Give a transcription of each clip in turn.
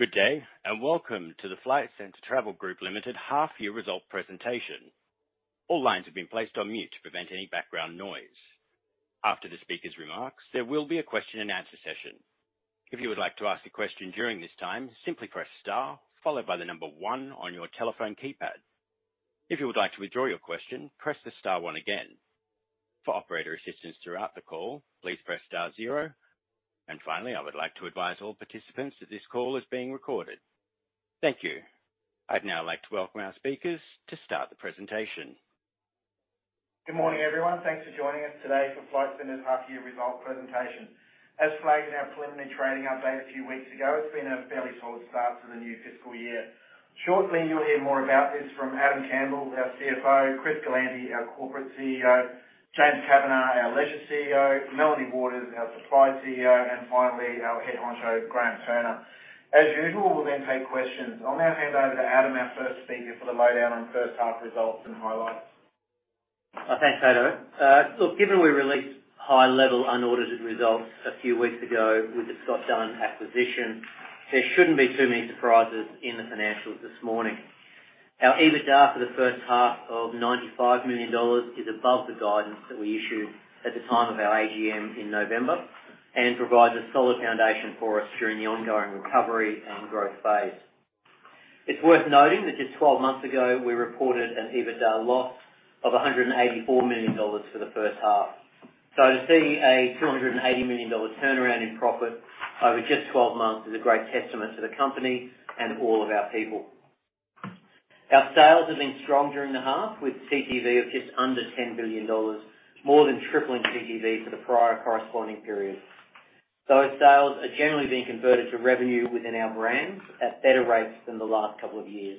Good day and welcome to the Flight Centre Travel Group Limited half year result presentation. All lines have been placed on mute to prevent any background noise. After the speaker's remarks, there will be a question and answer session. If you would like to ask a question during this time, simply press Star followed by one on your telephone keypad. If you would like to withdraw your question, press the star one again. For operator assistance throughout the call, please press star zero. Finally, I would like to advise all participants that this call is being recorded. Thank you. I'd now like to welcome our speakers to start the presentation. Good morning everyone. Thanks for joining us today for Flight Centre's half year result presentation. As flagged in our preliminary trading update a few weeks ago, it's been a fairly solid start to the new fiscal year. Shortly, you'll hear more about this from Adam Campbell, our CFO, Chris Galanty, our Corporate CEO, James Kavanagh, our Leisure CEO, Melanie Waters-Ryan, our Supply CEO, and finally, our head honcho, Graham Turner. As usual, we'll take questions. I'll now hand over to Adam, our first speaker, for the lowdown on first half results and highlights. Thanks Hayden. Given we released high-level unaudited results a few weeks ago with the Scott Dunn acquisition, there shouldn't be too many surprises in the financials this morning. Our EBITDA for the first half of AUD 95 million is above the guidance that we issued at the time of our AGM in November and provides a solid foundation for us during the ongoing recovery and growth phase. It's worth noting that just 12 months ago we reported an EBITDA loss of 184 million dollars for the first half. So I'll say 280 million dollar turnaround in profit over just 12 months is a great testament to the company and all of our people. Our sales have been strong during the half with TTV of just under 10 billion dollars, more than tripling TTV for the prior corresponding period. Those sales are generally being converted to revenue within our brands at better rates than the last couple of years.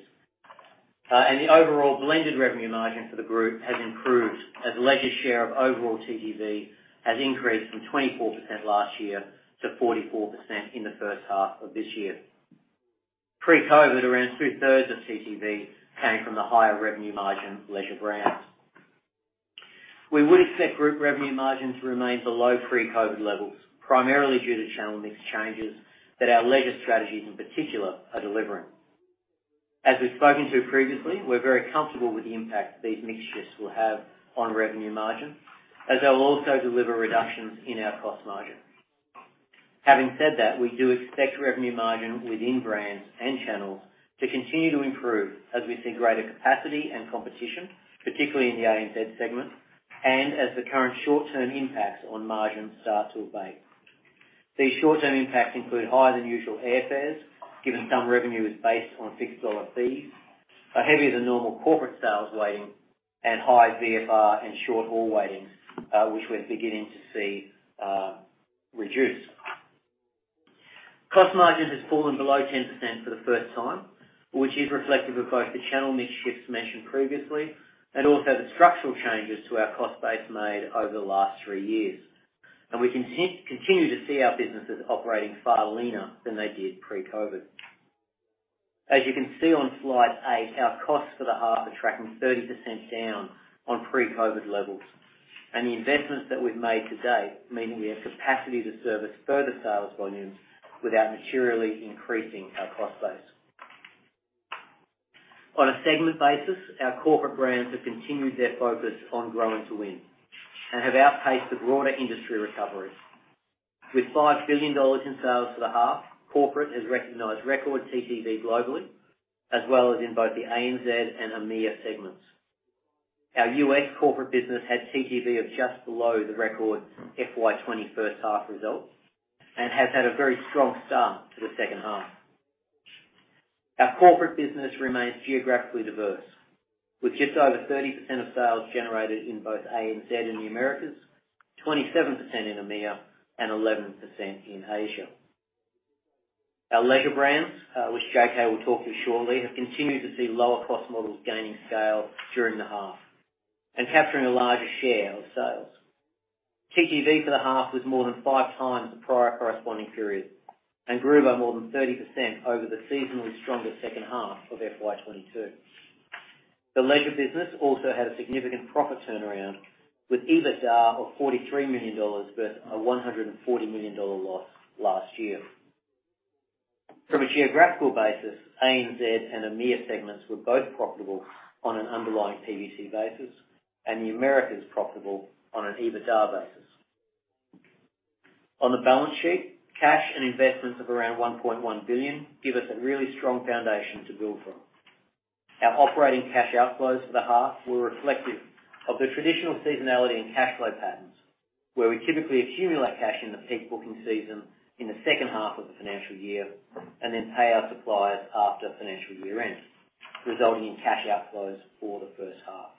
The overall blended revenue margin for the group has improved as leisure share of overall TTV has increased from 24% last year to 44% in the first half of this year. Pre-COVID, around two-thirds of TTV came from the higher revenue margin leisure brands. We would expect group revenue margins to remain below pre-COVID levels, primarily due to channel mix changes that our leisure strategies in particular are delivering. We've spoken to previously, we're very comfortable with the impact these mix shifts will have on revenue margin, as they'll also deliver reductions in our cost margin. Having said that, we do expect revenue margin within brands and channels to continue to improve as we see greater capacity and competition, particularly in the ANZ segment, and as the current short-term impacts on margins start to abate. These short-term impacts include higher than usual airfares, given some revenue is based on fixed dollar fees, a heavier than normal corporate sales weighting, and high VFR and short-haul weightings, which we're beginning to see reduce. Cost margins has fallen below 10% for the first time, which is reflective of both the channel mix shifts mentioned previously and also the structural changes to our cost base made over the last three years. We continue to see our businesses operating far leaner than they did pre-COVID. As you can see on slide eight, our costs for the half are tracking 30% down on pre-COVID levels and the investments that we've made to date mean we have capacity to service further sales volumes without materially increasing our cost base. On a segment basis, our corporate brands have continued their focus on growing to win and have outpaced the broader industry recovery. With 5 billion dollars in sales for the half, corporate has recognized record TTV globally, as well as in both the ANZ and EMEA segments. Our US corporate business had TTV of just below the record FY 20 first half results and has had a very strong start to the second half. Our corporate business remains geographically diverse, with just over 30% of sales generated in both ANZ and the Americas, 27% in EMEA, and 11% in Asia. Our leisure brands, which JK will talk to shortly, have continued to see lower cost models gaining scale during the half and capturing a larger share of sales. TTV for the half was more than 5 times the prior corresponding period and grew by more than 30% over the seasonally stronger second half of FY22. The leisure business also had a significant profit turnaround with EBITDA of 43 million dollars versus an 140 million dollar loss last year. From a geographical basis, ANZ and EMEA segments were both profitable on an underlying PBT basis, and the Americas profitable on an EBITDA basis. On the balance sheet, cash and investments of around 1.1 billion give us a really strong foundation to build from. Our operating cash outflows for the half were reflective of the traditional seasonality in cash flow patterns, where we typically accumulate cash in the peak booking season in the second half of the financial year, and then pay our suppliers after financial year-end, resulting in cash outflows for the first half.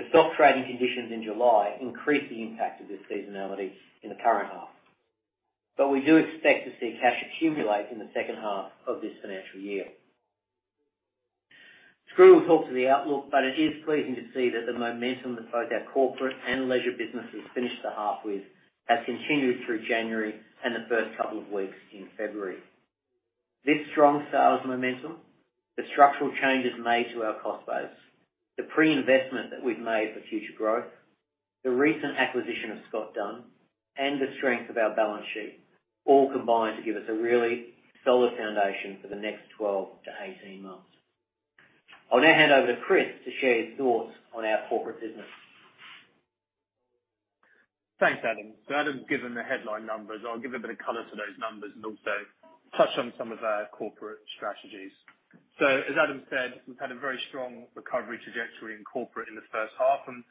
The stock trading conditions in July increased the impact of this seasonality in the current half. We do expect to see cash accumulate in the second half of this financial year. Skroo will talk to the outlook. It is pleasing to see that the momentum that both our corporate and leisure businesses finished the half with has continued through January and the first couple of weeks in February. This strong sales momentum, the structural changes made to our cost base, the pre-investment that we've made for future growth, the recent acquisition of Scott Dunn, and the strength of our balance sheet all combine to give us a really solid foundation for the next 12 to 18 months. I'll now hand over to Chris to share his thoughts on our corporate business. Thanks Adam. Adam's given the headline numbers. I'll give a bit of color to those numbers and also touch on some of our corporate strategies. As Adam said, we've had a very strong recovery trajectory in corporate in the first half, and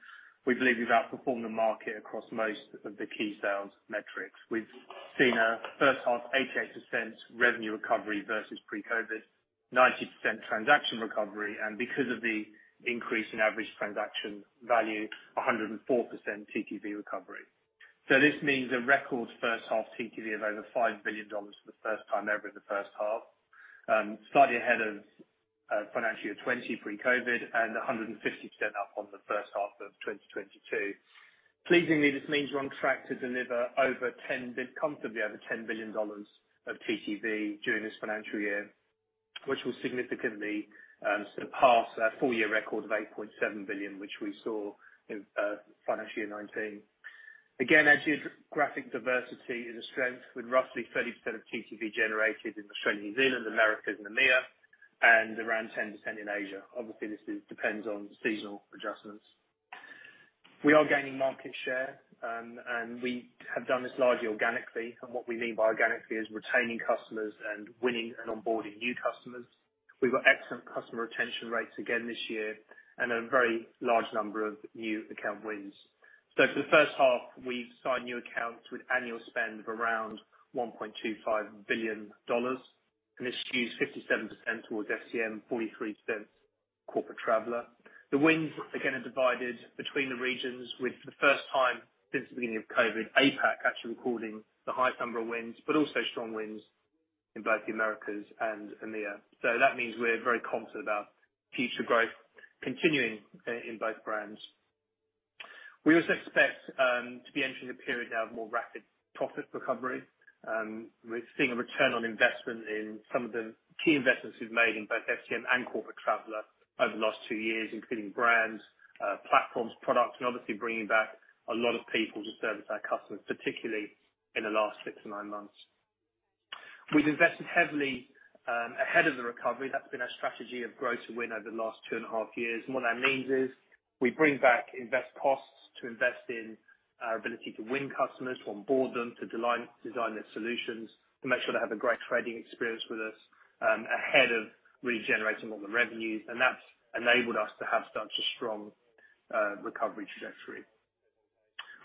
we believe we've outperformed the market across most of the key sales metrics. We've seen a first half 88% revenue recovery versus pre-COVID, 90% transaction recovery, and because of the increase in average transaction value, a 104% TTV recovery. This means a record first half TTV of over 5 billion dollars for the first time ever in the first half. Slightly ahead of financial 20 pre-COVID and 150% up on the first half of 2022. Pleasingly, this means we're on track to deliver comfortably over 10 billion dollars of TTV during this financial year, which will significantly surpass our full year record of 8.7 billion, which we saw in financial year 2019. Again, our geographic diversity is a strength with roughly 30% of TTV generated in Australia, New Zealand, Americas, and EMEA, and around 10% in Asia. Obviously, this is depends on seasonal adjustments. We are gaining market share, and we have done this largely organically. What we mean by organically is retaining customers and winning and onboarding new customers. We've got excellent customer retention rates again this year and a very large number of new account wins. For the first half, we've signed new accounts with annual spend of around 1.25 billion dollars, and this skews 57% towards SCM, 43% Corporate Traveller. The wins again are divided between the regions with the first time since the beginning of COVID, APAC actually recording the highest number of wins, but also strong wins in both the Americas and EMEA. That means we're very confident about future growth continuing in both brands. We also expect to be entering a period of more rapid profit recovery. We're seeing a return on investment in some of the key investments we've made in both SCM and Corporate Traveller over the last two years, including brands, platforms, products, and obviously bringing back a lot of people to service our customers, particularly in the last 6 to 9 months. We've invested heavily ahead of the recovery. That's been our strategy of grow to win over the last two and a half years. What that means is we bring back invest costs to invest in our ability to win customers, to onboard them, to design their solutions, to make sure they have a great trading experience with us ahead of really generating all the revenues. That's enabled us to have such a strong recovery trajectory.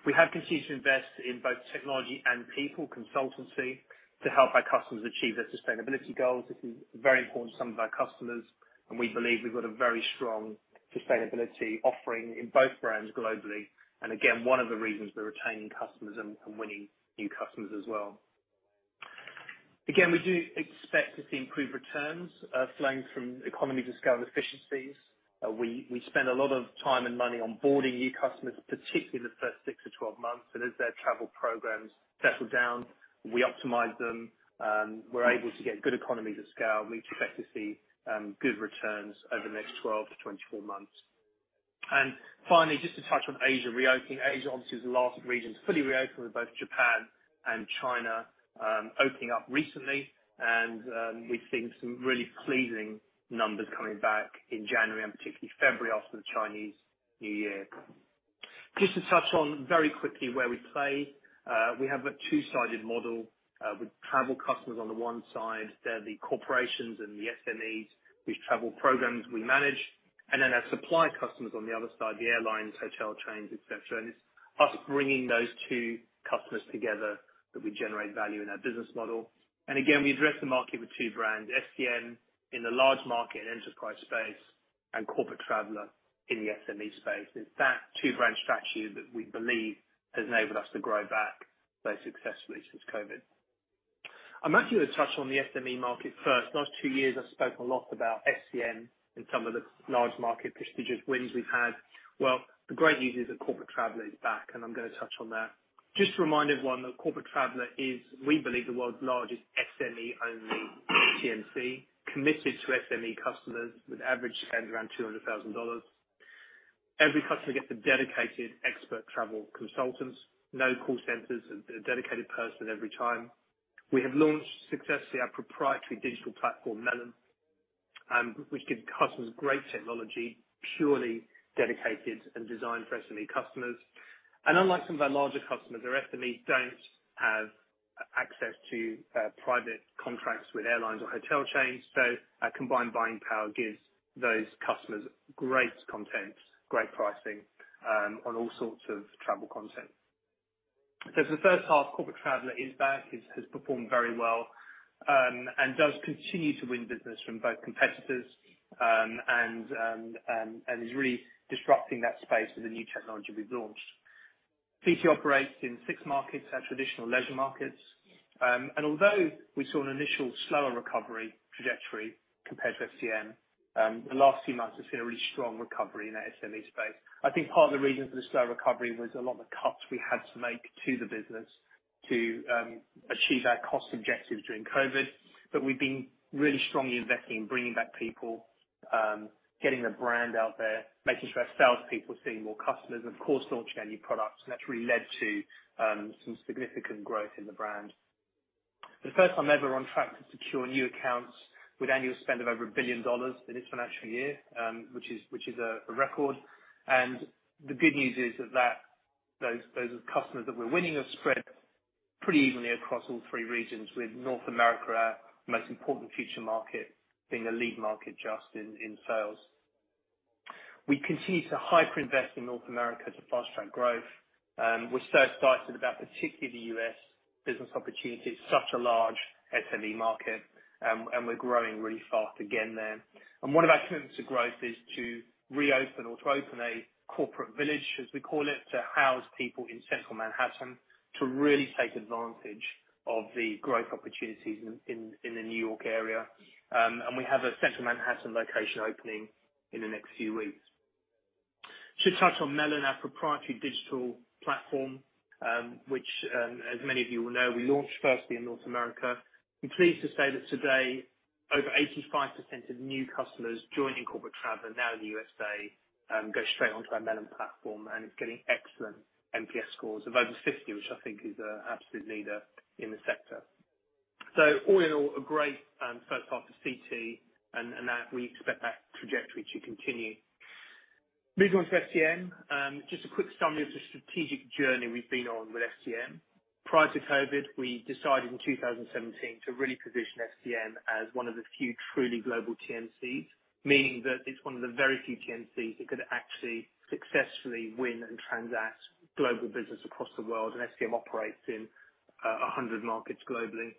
We have continued to invest in both technology and people consultancy to help our customers achieve their sustainability goals. This is very important to some of our customers, and we believe we've got a very strong sustainability offering in both brands globally, and again, one of the reasons we're retaining customers and winning new customers as well. Again, we do expect to see improved returns, flowing from economies of scale and efficiencies. We spend a lot of time and money onboarding new customers, particularly in the first 6-12 months. As their travel programs settle down, we optimize them, we're able to get good economies of scale, and we expect to see good returns over the next 12-24 months. Finally, just to touch on Asia reopening. Asia obviously is the last region to fully reopen with both Japan and China opening up recently. We've seen some really pleasing numbers coming back in January and particularly February after the Chinese New Year. Just to touch on very quickly where we play, we have a two-sided model, with travel customers on the one side. They're the corporations and the SMEs whose travel programs we manage. Then our supply customers on the other side, the airlines, hotel chains, et cetera, and it's us bringing those two customers together that we generate value in our business model. Again, we address the market with two brands, SCM in the large market and enterprise space, and Corporate Traveller in the SME space. It's that two-brand strategy that we believe has enabled us to grow back very successfully since COVID. I'm actually going to touch on the SME market first. Last two years, I've spoke a lot about SCM and some of the large market prestigious wins we've had. The great news is that Corporate Traveller is back, and I'm gonna touch on that. Just a reminder, one, that Corporate Traveller is, we believe, the world's largest SME-only TMC, committed to SME customers with average spend around 200,000 dollars. Every customer gets a dedicated expert travel consultant. No call centers. A dedicated person every time. We have launched successfully our proprietary digital platform, Melon, which gives customers great technology, purely dedicated and designed for SME customers. Unlike some of our larger customers, our SMEs don't have access to private contracts with airlines or hotel chains. Our combined buying power gives those customers great content, great pricing, on all sorts of travel content. For the first half, Corporate Traveller is back, it has performed very well, and does continue to win business from both competitors, and is really disrupting that space with the new technology we've launched. CT operates in six markets, our traditional leisure markets. Although we saw an initial slower recovery trajectory-Compared to SCM, the last few months have seen a really strong recovery in the SME space. I think part of the reason for the slow recovery was a lot of the cuts we had to make to the business to achieve our cost objectives during COVID. We've been really strongly investing in bringing back people, getting the brand out there, making sure our salespeople are seeing more customers, and of course, launching our new products. That's really led to some significant growth in the brand. For the first time ever, we're on track to secure new accounts with annual spend of over 1 billion dollars in this financial year, which is, which is a record. The good news is that, those customers that we're winning are spread pretty evenly across all three regions, with North America, our most important future market, being a lead market just in sales. We can see it's hyper-invest in North America to fast-track growth, and we're so excited about particularly the U.S. business opportunity. It's such a large SME market, we're growing really fast again there. One of our commitments to growth is to reopen or to open a corporate village, as we call it, to house people in central Manhattan, to really take advantage of the growth opportunities in the New York area. We have a central Manhattan location opening in the next few weeks. To touch on Melon our proprietary digital platform, which, as many of you will know, we launched firstly in North America. I'm pleased to say that today, over 85% of new customers joining corporate travel are now in the USA, go straight onto our Melon platform, and it's getting excellent NPS scores of over 50, which I think is an absolute leader in the sector. All in all, a great first half for CT, and that we expect that trajectory to continue. Moving on to SCM. Just a quick summary of the strategic journey we've been on with SCM. Prior to COVID, we decided in 2017 to really position SCM as one of the few truly global TMCs, meaning that it's one of the very few TMCs that could actually successfully win and transact global business across the world, SCM operates in 100 markets globally.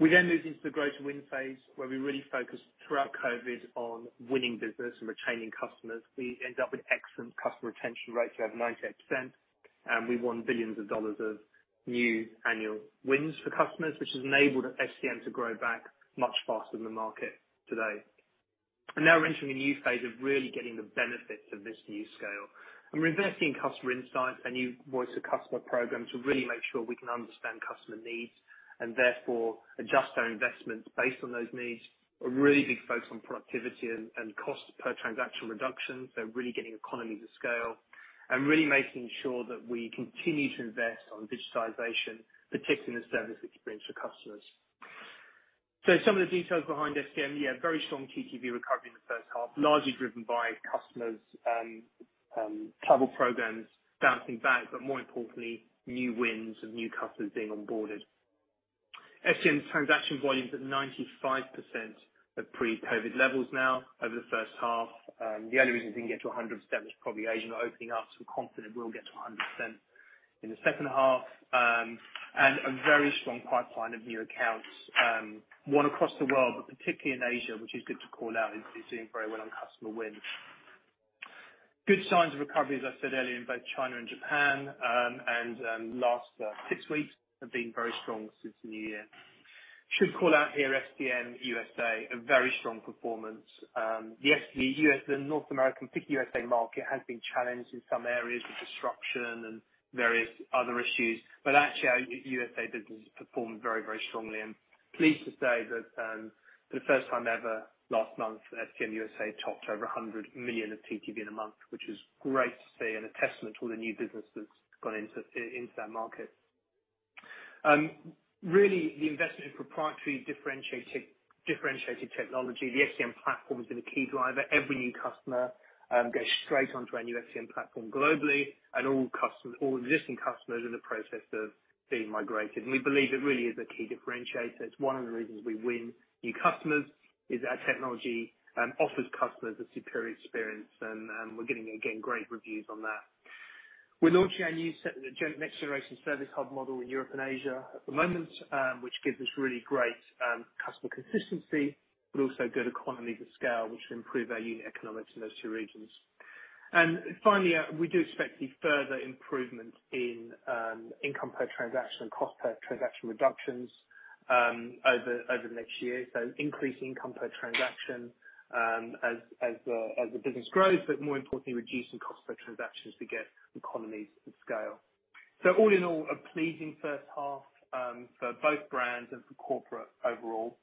We moved into the grow to win phase, where we really focused throughout COVID on winning business and retaining customers. We ended up with excellent customer retention rates of 98%, we won billions of dollars of new annual wins for customers, which has enabled SCM to grow back much faster than the market today. Now we're entering a new phase of really getting the benefits of this new scale. We're investing in customer insights and new voice of customer programs to really make sure we can understand customer needs and therefore adjust our investments based on those needs. A really big focus on productivity and cost per transactional reduction. Really getting economies of scale and really making sure that we continue to invest on digitization, particularly in the service experience for customers. Some of the details behind SCM. Very strong TTV recovery in the first half, largely driven by customers, travel programs bouncing back, but more importantly, new wins and new customers being onboarded. SCM's transaction volume is at 95% of pre-COVID levels now over the first half. The only reason we didn't get to 100% was probably Asia not opening up. We're confident we'll get to 100% in the second half. A very strong pipeline of new accounts won across the world, but particularly in Asia, which is good to call out, is doing very well on customer wins. Good signs of recovery, as I said earlier, in both China and Japan, and last six weeks have been very strong since the new year. Should call out here SCM USA, a very strong performance. Yes, the U.S. and North American, particularly USA market, has been challenged in some areas with disruption and various other issues. Actually our USA business has performed very strongly. Pleased to say that, for the first time ever, last month, SCM USA topped over $100 million of TTV in a month, which is great to see and a testament to all the new business that's gone into that market. Really the investment in proprietary differentiated technology, the SCM platform has been a key driver. Every new customer goes straight onto our new SCM platform globally, and all customers, all existing customers are in the process of being migrated. We believe it really is a key differentiator. It's one of the reasons we win new customers is our technology offers customers a superior experience and we're getting again, great reviews on that. We're launching our new next generation service hub model in Europe and Asia at the moment, which gives us really great customer consistency, but also good economies of scale, which will improve our unit economics in those two regions. Finally, we do expect to see further improvements in income per transaction and cost per transaction reductions over the next year. Increasing income per transaction as the business grows, but more importantly, reducing cost per transactions to get economies of scale. All in all, a pleasing first half for both brands and for corporate overall.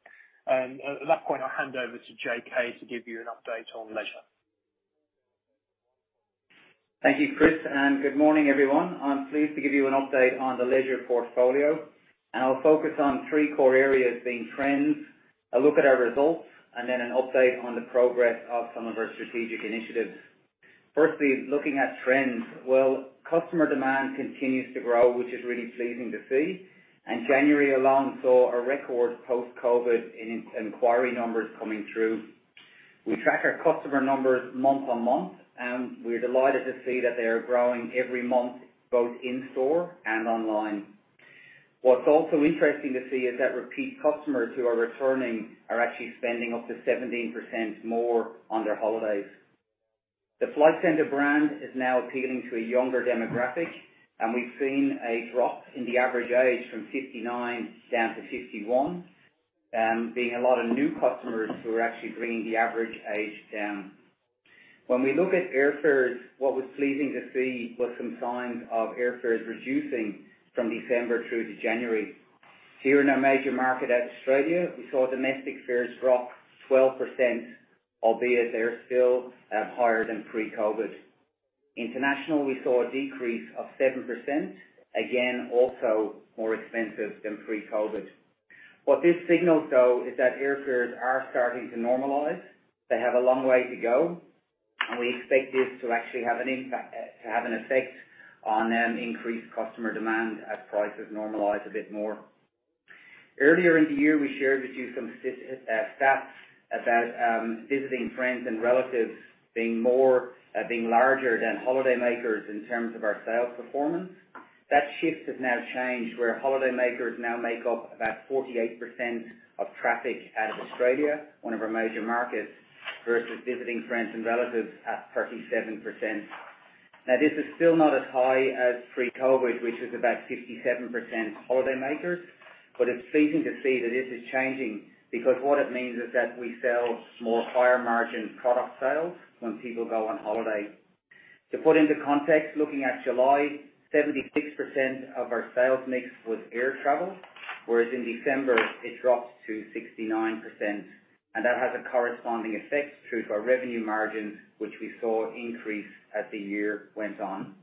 At that point, I'll hand over to JK to give you an update on Leisure. Thank you Chris, and good morning, everyone. I'm pleased to give you an update on the Leisure portfolio. I'll focus on three core areas being trends, a look at our results, and an update on the progress of some of our strategic initiatives. Firstly, looking at trends. Well, customer demand continues to grow, which is really pleasing to see. January alone saw a record post-COVID in inquiry numbers coming through. We track our customer numbers month-on-month, and we're delighted to see that they are growing every month, both in store and online. What's also interesting to see is that repeat customers who are returning are actually spending up to 17% more on their holidays. The Flight Centre brand is now appealing to a younger demographic. We've seen a drop in the average age from 59 down to 51, being a lot of new customers who are actually bringing the average age down. When we look at airfares, what was pleasing to see was some signs of airfares reducing from December through to January. Here in our major market, out of Australia, we saw domestic fares drop 12%, albeit they're still higher than pre-COVID. International, we saw a decrease of 7%. Again, also more expensive than pre-COVID. What this signals though is that airfares are starting to normalize. They have a long way to go. We expect this to actually have an impact, to have an effect on increased customer demand as prices normalize a bit more. Earlier in the year, we shared with you some stats about visiting friends and relatives being more being larger than holidaymakers in terms of our sales performance. That shift has now changed, where holidaymakers now make up about 48% of traffic out of Australia, one of our major markets, versus visiting friends and relatives at 37%. This is still not as high as pre-COVID, which is about 57% holidaymakers, but it's pleasing to see that this is changing, because what it means is that we sell more higher margin product sales when people go on holiday. To put into context, looking at July, 76% of our sales mix was air travel, whereas in December it dropped to 69%. That has a corresponding effect through to our revenue margins, which we saw increase as the year went on.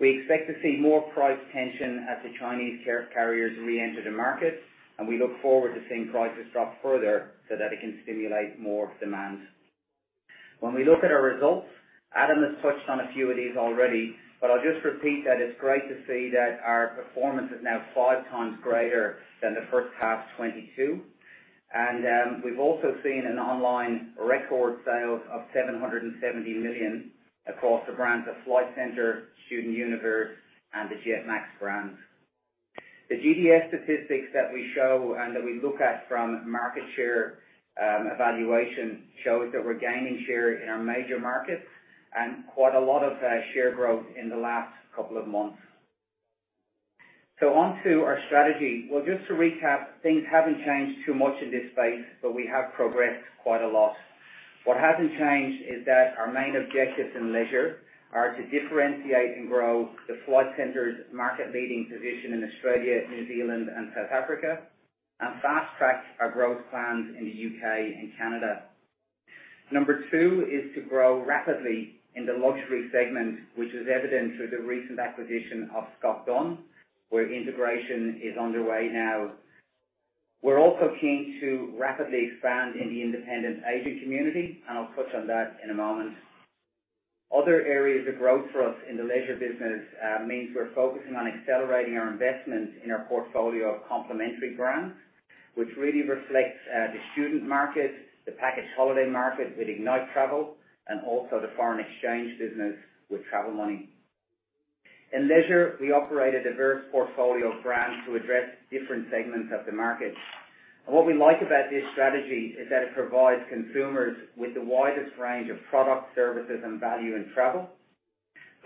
We expect to see more price tension as the Chinese carriers reenter the market, we look forward to seeing prices drop further so that it can stimulate more demand. When we look at our results, Adam has touched on a few of these already, but I'll just repeat that it's great to see that our performance is now 5 times greater than the first half 2022. We've also seen an online record sales of 770 million across the brands of Flight Centre, StudentUniverse, and the Jetmax brands. The GDS statistics that we show and that we look at from market share, evaluation shows that we're gaining share in our major markets and quite a lot of share growth in the last couple of months. Onto our strategy. Just to recap, things haven't changed too much in this space. We have progressed quite a lot. What hasn't changed is that our main objectives in leisure are to differentiate and grow the Flight Centre's market-leading position in Australia, New Zealand, and South Africa and fast-track our growth plans in the U.K. and Canada. Number two is to grow rapidly in the luxury segment, which is evident through the recent acquisition of Scott Dunn, where integration is underway now. We're also keen to rapidly expand in the independent agent community, and I'll touch on that in a moment. Other areas of growth for us in the leisure business means we're focusing on accelerating our investment in our portfolio of complementary brands, which really reflects the student market, the package holiday market with Ignite Travel, and also the foreign exchange business with Travel Money. In leisure, we operate a diverse portfolio of brands to address different segments of the market. What we like about this strategy is that it provides consumers with the widest range of products, services, and value in travel.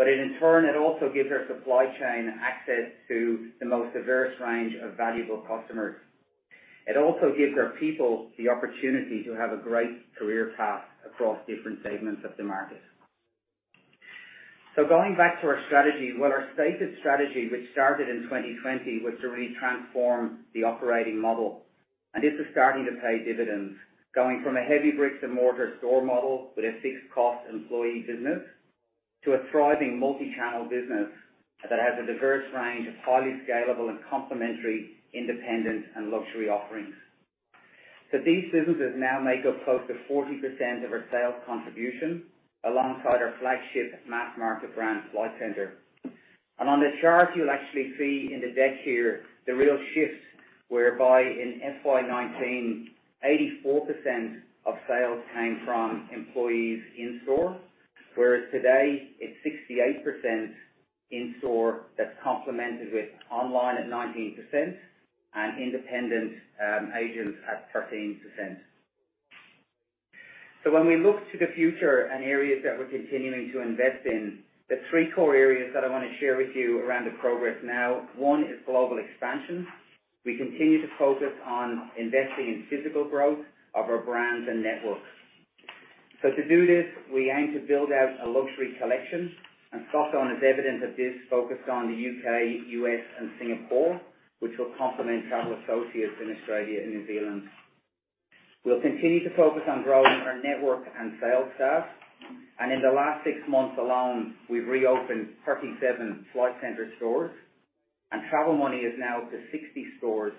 In turn, it also gives our supply chain access to the most diverse range of valuable customers. It also gives our people the opportunity to have a great career path across different segments of the market. Going back to our strategy, well, our stated strategy, which started in 2020, was to really transform the operating model. This is starting to pay dividends, going from a heavy bricks-and-mortar store model with a fixed-cost employee business to a thriving multi-channel business that has a diverse range of highly scalable and complementary independent and luxury offerings. These businesses now make up close to 40% of our sales contribution, alongside our flagship mass market brand, Flight Centre. On the chart, you'll actually see in the deck here the real shifts, whereby in FY 2019, 84% of sales came from employees in-store, whereas today it's 68% in-store that's complemented with online at 19% and independent agents at 13%. When we look to the future and areas that we're continuing to invest in, the three core areas that I wanna share with you around the progress now, one is global expansion. We continue to focus on investing in physical growth of our brands and networks. To do this, we aim to build out a luxury collection, and Scott Dunn is evidence of this, focused on the U.K., U.S., and Singapore, which will complement Travel Associates in Australia and New Zealand. We'll continue to focus on growing our network and sales staff, and in the last six months alone, we've reopened 37 Flight Centre stores, and Travel Money is now up to 60 stores.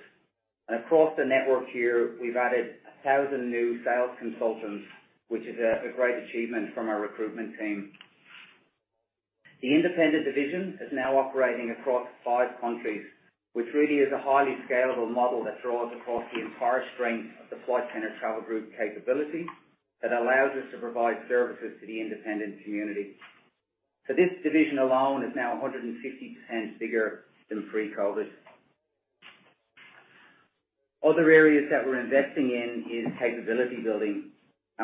Across the network here, we've added 1,000 new sales consultants, which is a great achievement from our recruitment team. The independent division is now operating across five countries, which really is a highly scalable model that draws across the entire strength of the Flight Centre Travel Group capability that allows us to provide services to the independent community. This division alone is now 150% bigger than pre-COVID. Other areas that we're investing in is capability building.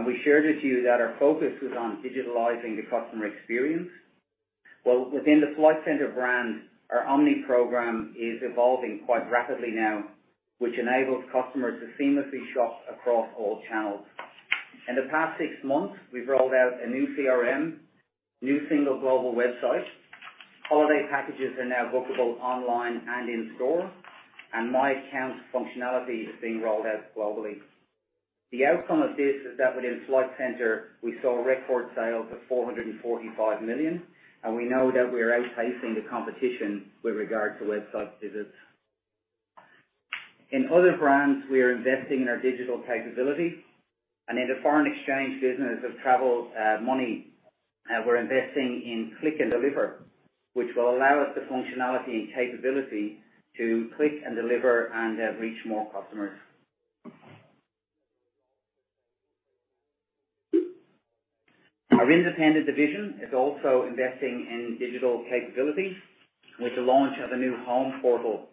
We shared with you that our focus was on digitalizing the customer experience. Well, within the Flight Centre brand, our omni program is evolving quite rapidly now, which enables customers to seamlessly shop across all channels. In the past six months, we've rolled out a new CRM, new single global website. Holiday packages are now bookable online and in store, and my account functionality is being rolled out globally. The outcome of this is that within Flight Centre, we saw record sales of 445 million, and we know that we are outpacing the competition with regard to website visits. In other brands, we are investing in our digital capability and in the foreign exchange business of Travel Money, we're investing in click and deliver, which will allow us the functionality and capability to click and deliver and reach more customers. Our independent division is also investing in digital capabilities with the launch of a new home portal.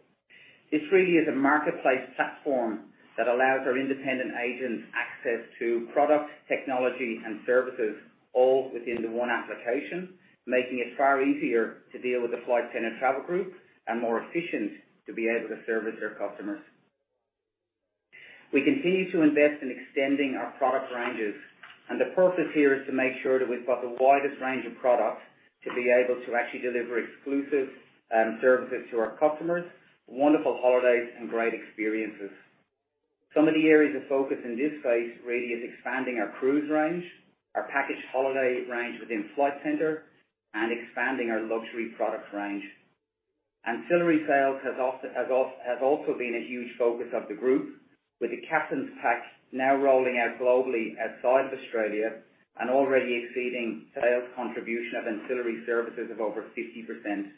This really is a marketplace platform that allows our independent agents access to product, technology and services all within the one application, making it far easier to deal with the Flight Centre Travel Group and more efficient to be able to service their customers. We continue to invest in extending our product ranges. The purpose here is to make sure that we've got the widest range of product to be able to actually deliver exclusive services to our customers, wonderful holidays and great experiences. Some of the areas of focus in this space really is expanding our cruise range, our package holiday range within Flight Centre and expanding our luxury product range. Ancillary sales has also been a huge focus of the group with the Captain's Pack now rolling out globally outside of Australia and already exceeding sales contribution of ancillary services of over 50%.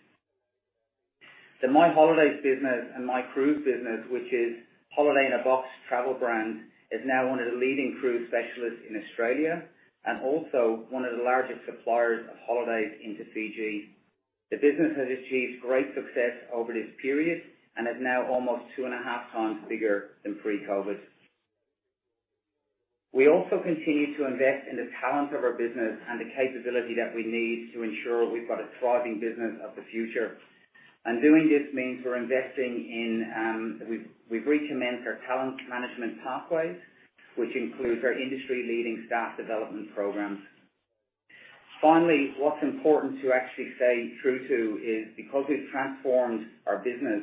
The My Holidays business and My Cruise business, which is holiday in a box travel brand, is now one of the leading cruise specialists in Australia and also one of the largest suppliers of holidays into Fiji. The business has achieved great success over this period and is now almost two and a half times bigger than pre-COVID. We also continue to invest in the talent of our business and the capability that we need to ensure we've got a thriving business of the future. Doing this means we're investing in, we've recommenced our talent management pathways, which includes our industry-leading staff development programs. Finally, what's important to actually stay true to is because we've transformed our business,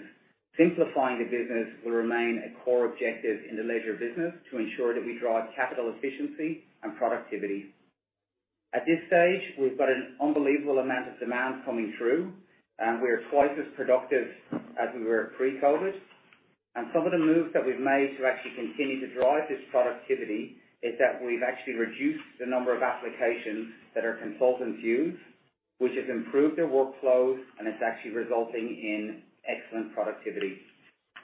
simplifying the business will remain a core objective in the leisure business to ensure that we drive capital efficiency and productivity. At this stage, we've got an unbelievable amount of demand coming through, and we are twice as productive as we were pre-COVID. Some of the moves that we've made to actually continue to drive this productivity is that we've actually reduced the number of applications that our consultants use, which has improved their workflow, and it's actually resulting in excellent productivity.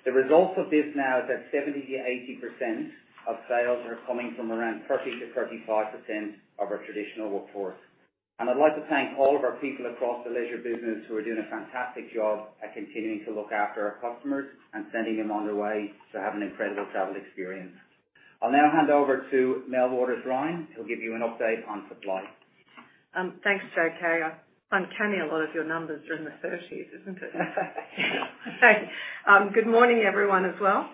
The results of this now is that 70%-80% of sales are coming from around 30%-35% of our traditional workforce. I'd like to thank all of our people across the leisure business who are doing a fantastic job at continuing to look after our customers and sending them on their way to have an incredible travel experience. I'll now hand over to Mel Waters-Ryan, who'll give you an update on supply. Thank JK. Uncanny a lot of your numbers are in the thirties, isn't it? Good morning, everyone as well.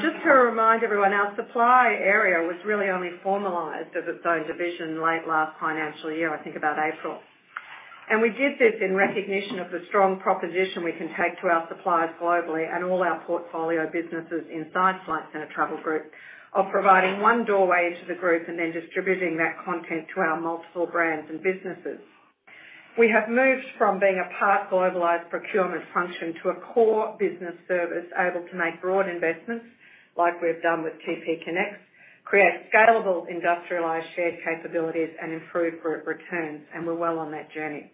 Just to remind everyone, our supply area was really only formalized as its own division late last financial year, I think about April. We did this in recognition of the strong proposition we can take to our suppliers globally and all our portfolio businesses inside Flight Centre Travel Group of providing one doorway into the group and then distributing that content to our multiple brands and businesses. We have moved from being a part globalized procurement function to a core business service able to make broad investments like we've done with TPConnects, create scalable, industrialized, shared capabilities and improve group returns, and we're well on that journey.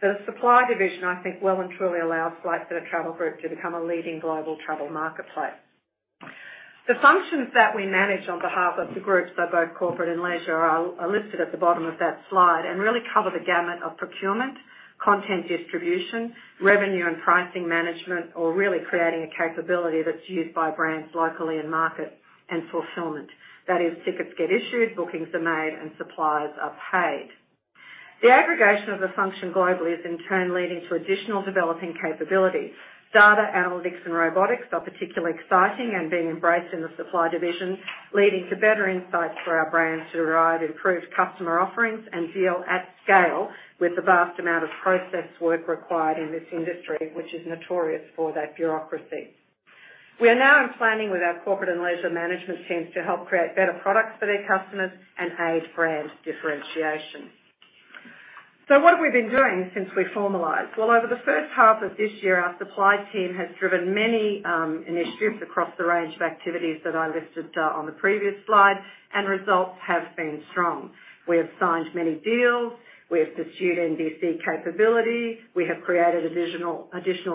The supply division, I think, well and truly allows Flight Centre Travel Group to become a leading global travel marketplace. The functions that we manage on behalf of the group, so both corporate and leisure, are listed at the bottom of that slide and really cover the gamut of procurement, content distribution, revenue and pricing management, or really creating a capability that's used by brands locally in market and fulfillment. That is, tickets get issued, bookings are made, and suppliers are paid. The aggregation of the function globally is in turn leading to additional developing capabilities. Data analytics and robotics are particularly exciting and being embraced in the supply division, leading to better insights for our brands to derive improved customer offerings and deal at scale with the vast amount of process work required in this industry, which is notorious for that bureaucracy. We are now in planning with our corporate and leisure management teams to help create better products for their customers and aid brand differentiation. What have we been doing since we formalized? Over the first half of this year, our supply team has driven many initiatives across the range of activities that I listed on the previous slide, and results have been strong. We have signed many deals. We have pursued NDC capability. We have created additional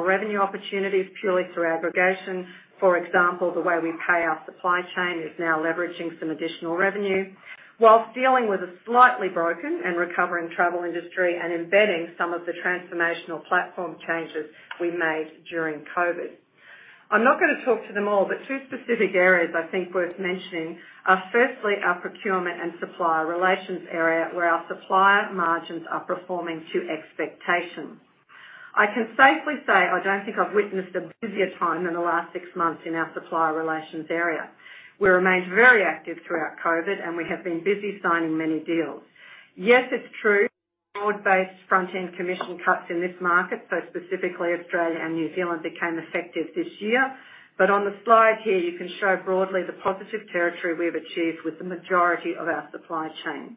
revenue opportunities purely through aggregation. For example, the way we pay our supply chain is now leveraging some additional revenue. Whilst dealing with a slightly broken and recovering travel industry and embedding some of the transformational platform changes we made during COVID. I'm not going to talk to them all, but two specific areas I think worth mentioning are firstly, our procurement and supplier relations area where our supplier margins are performing to expectation. I can safely say I don't think I've witnessed a busier time in the last six months in our supplier relations area. We remained very active throughout COVID. We have been busy signing many deals. Yes, it's true. Board-based front-end commission cuts in this market, so specifically Australia and New Zealand, became effective this year. On the slide here, you can show broadly the positive territory we have achieved with the majority of our supply chain.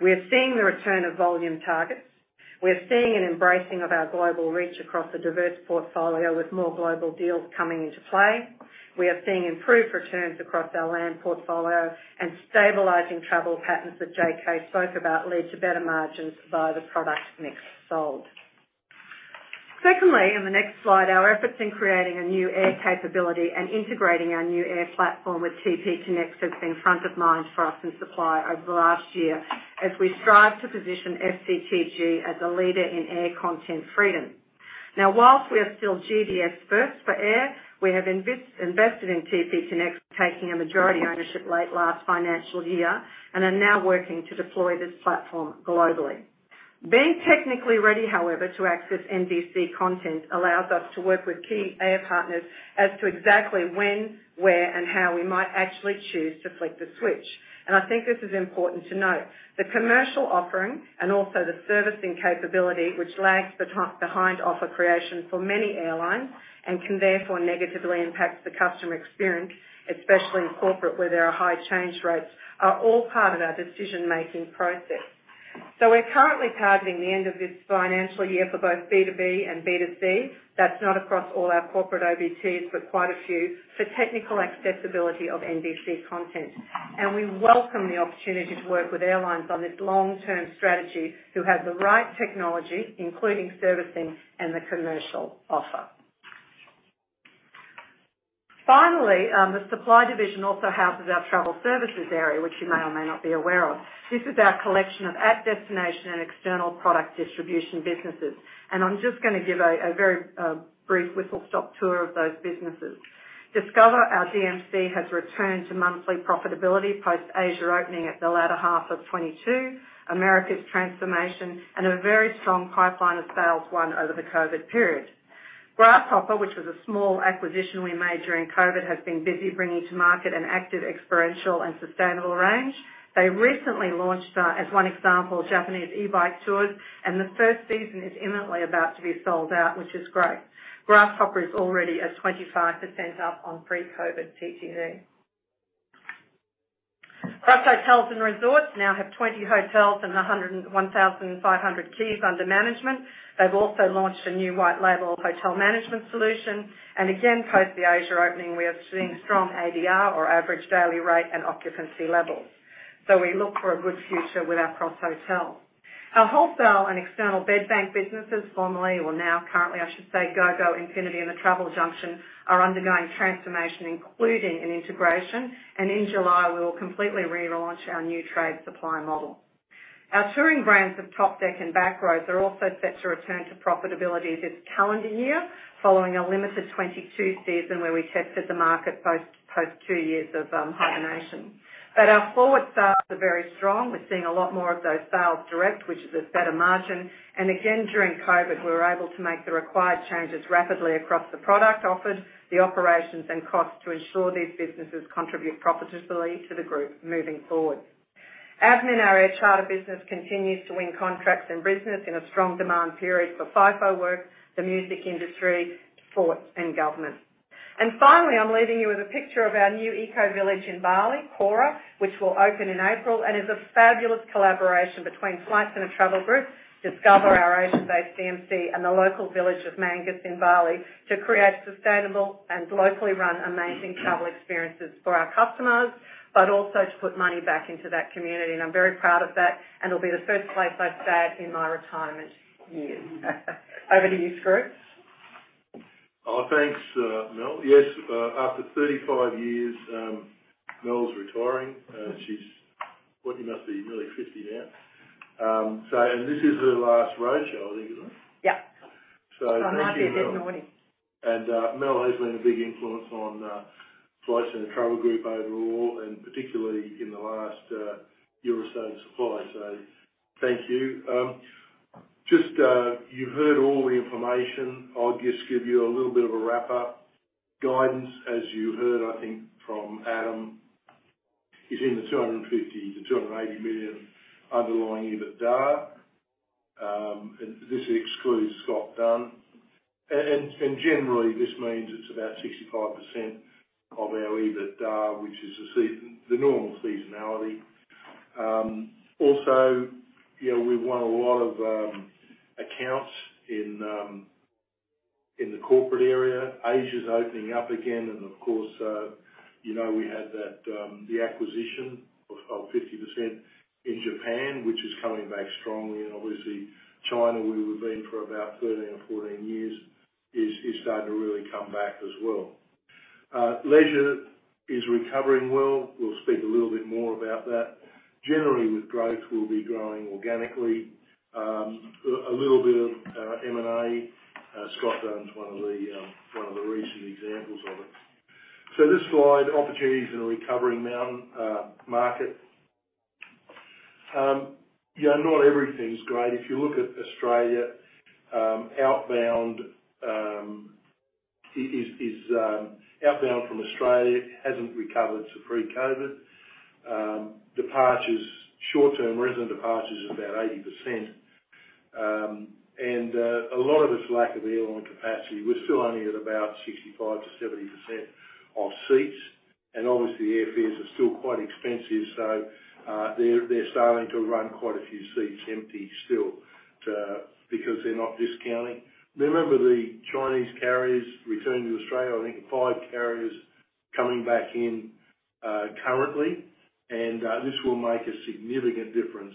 We are seeing the return of volume targets. We are seeing an embracing of our global reach across a diverse portfolio with more global deals coming into play. We are seeing improved returns across our land portfolio and stabilizing travel patterns that JK spoke about lead to better margins by the product mix sold. Secondly, in the next slide, our efforts in creating a new air capability and integrating our new air platform with TPConnects has been front of mind for us in supply over the last year as we strive to position FCTG as a leader in air content freedom. Now, whilst we are still GDS first for air, we have invested in TPConnects, taking a majority ownership late last financial year, and are now working to deploy this platform globally. Being technically ready, however, to access NDC content allows us to work with key air partners as to exactly when, where, and how we might actually choose to flip the switch. I think this is important to note. The commercial offering and also the servicing capability which lags behind offer creation for many airlines and can therefore negatively impact the customer experience, especially in corporate where there are high change rates, are all part of our decision-making process. We're currently targeting the end of this financial year for both B2B and B2C. That's not across all our corporate OBTs, but quite a few, for technical accessibility of NDC content. We welcome the opportunity to work with airlines on this long-term strategy who have the right technology, including servicing and the commercial offer. The supply division also houses our travel services area, which you may or may not be aware of. This is our collection of at-destination and external product distribution businesses. I'm just gonna give a very brief whistle-stop tour of those businesses. Discova, our DMC, has returned to monthly profitability post-Asia opening at the latter half of 22, Americas transformation, and a very strong pipeline of sales won over the COVID period. Grasshopper, which was a small acquisition we made during COVID, has been busy bringing to market an active experiential and sustainable range. They recently launched, as one example, Japanese e-bike tours, and the first season is imminently about to be sold out, which is great. Grasshopper is already at 25% up on pre-COVID TTV. Cross Hotels & Resorts now have 20 hotels and 1,500 keys under management. They've also launched a new white label hotel management solution. Again, post the Asia opening, we are seeing strong ADR or average daily rate and occupancy levels. We look for a good future with our Cross Hotels. Our wholesale and external bed bank businesses, formerly or now currently, I should say, GOGO, Infinity, and The Travel Junction, are undergoing transformation, including an integration. In July, we will completely relaunch our new trade supply model. Our touring brands of Topdeck and Back-Roads Touring are also set to return to profitability this calendar year following a limited 2022 season where we tested the market post 2 years of hibernation. Our forward sales are very strong. We're seeing a lot more of those sales direct, which is a better margin. Again, during COVID, we were able to make the required changes rapidly across the product offered, the operations and costs to ensure these businesses contribute profitably to the group moving forward. AVMIN, our air charter business, continues to win contracts and business in a strong demand period for FIFO work, the music industry, sports, and government. Finally, I'm leaving you with a picture of our new eco-village in Bali, Kora, which will open in April and is a fabulous collaboration between Flight Centre Travel Group, Discova, our Asia-based DMC, and the local village of Manggis in Bali to create sustainable and locally run amazing travel experiences for our customers, but also to put money back into that community. I'm very proud of that, and it'll be the first place I stay in my retirement years. Over to you, Skroo. Thanks Mel. Yes after 35 years, Mel's retiring. She's what? You must be nearly 50 now. This is her last roadshow, I think, isn't it? Yeah. Thank you Mel. I might be a bit naughty. Mel has been a big influence on Flight Centre Travel Group overall, and particularly in the last year or so in supply. Thank you. Just, you've heard all the information. I'll just give you a little bit of a wrap-up. Guidance, as you heard, I think, from Adam, is in the 250 million-280 million underlying EBITDA. This excludes Scott Dunn. And generally this means it's about 65% of our EBITDA, which is the normal seasonality. Also, you know, we've won a lot of accounts in the corporate area. Asia's opening up again. Of course, you know, we had that acquisition of 50% in Japan, which is coming back strongly. Obviously China, where we've been for about 13 or 14 years, is starting to really come back as well. Leisure is recovering well. We'll speak a little bit more about that. Generally, with growth, we'll be growing organically. A little bit of M&A. Scott Dunn's one of the recent examples of it. This slide, opportunities in a recovering mountain market. Yeah, not everything's great. If you look at Australia, outbound from Australia hasn't recovered since pre-COVID. Short-term resident departures is about 80%. A lot of it's lack of airline capacity. We're still only at about 65%-70% of seats. Obviously, airfares are still quite expensive, so they're starting to run quite a few seats empty still because they're not discounting. Remember the Chinese carriers returning to Australia, I think 5 carriers coming back in currently. This will make a significant difference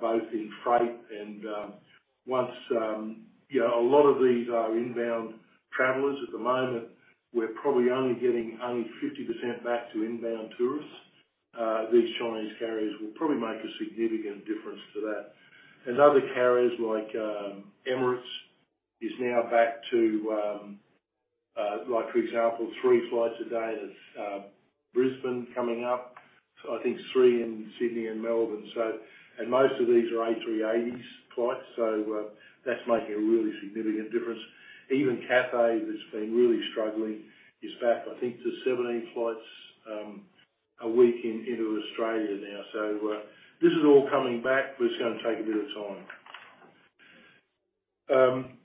both in freight and once. Yeah, a lot of these are inbound travelers. At the moment, we're probably only getting only 50% back to inbound tourists. These Chinese carriers will probably make a significant difference to that. Other carriers like Emirates is now back to, like, for example, three flights a day. That's Brisbane coming up. I think three in Sydney and Melbourne. Most of these are A380s flights. That's making a really significant difference. Even Qatar that's been really struggling is back, I think to 17 flights a week in into Australia now. This is all coming back, but it's gonna take a bit of time.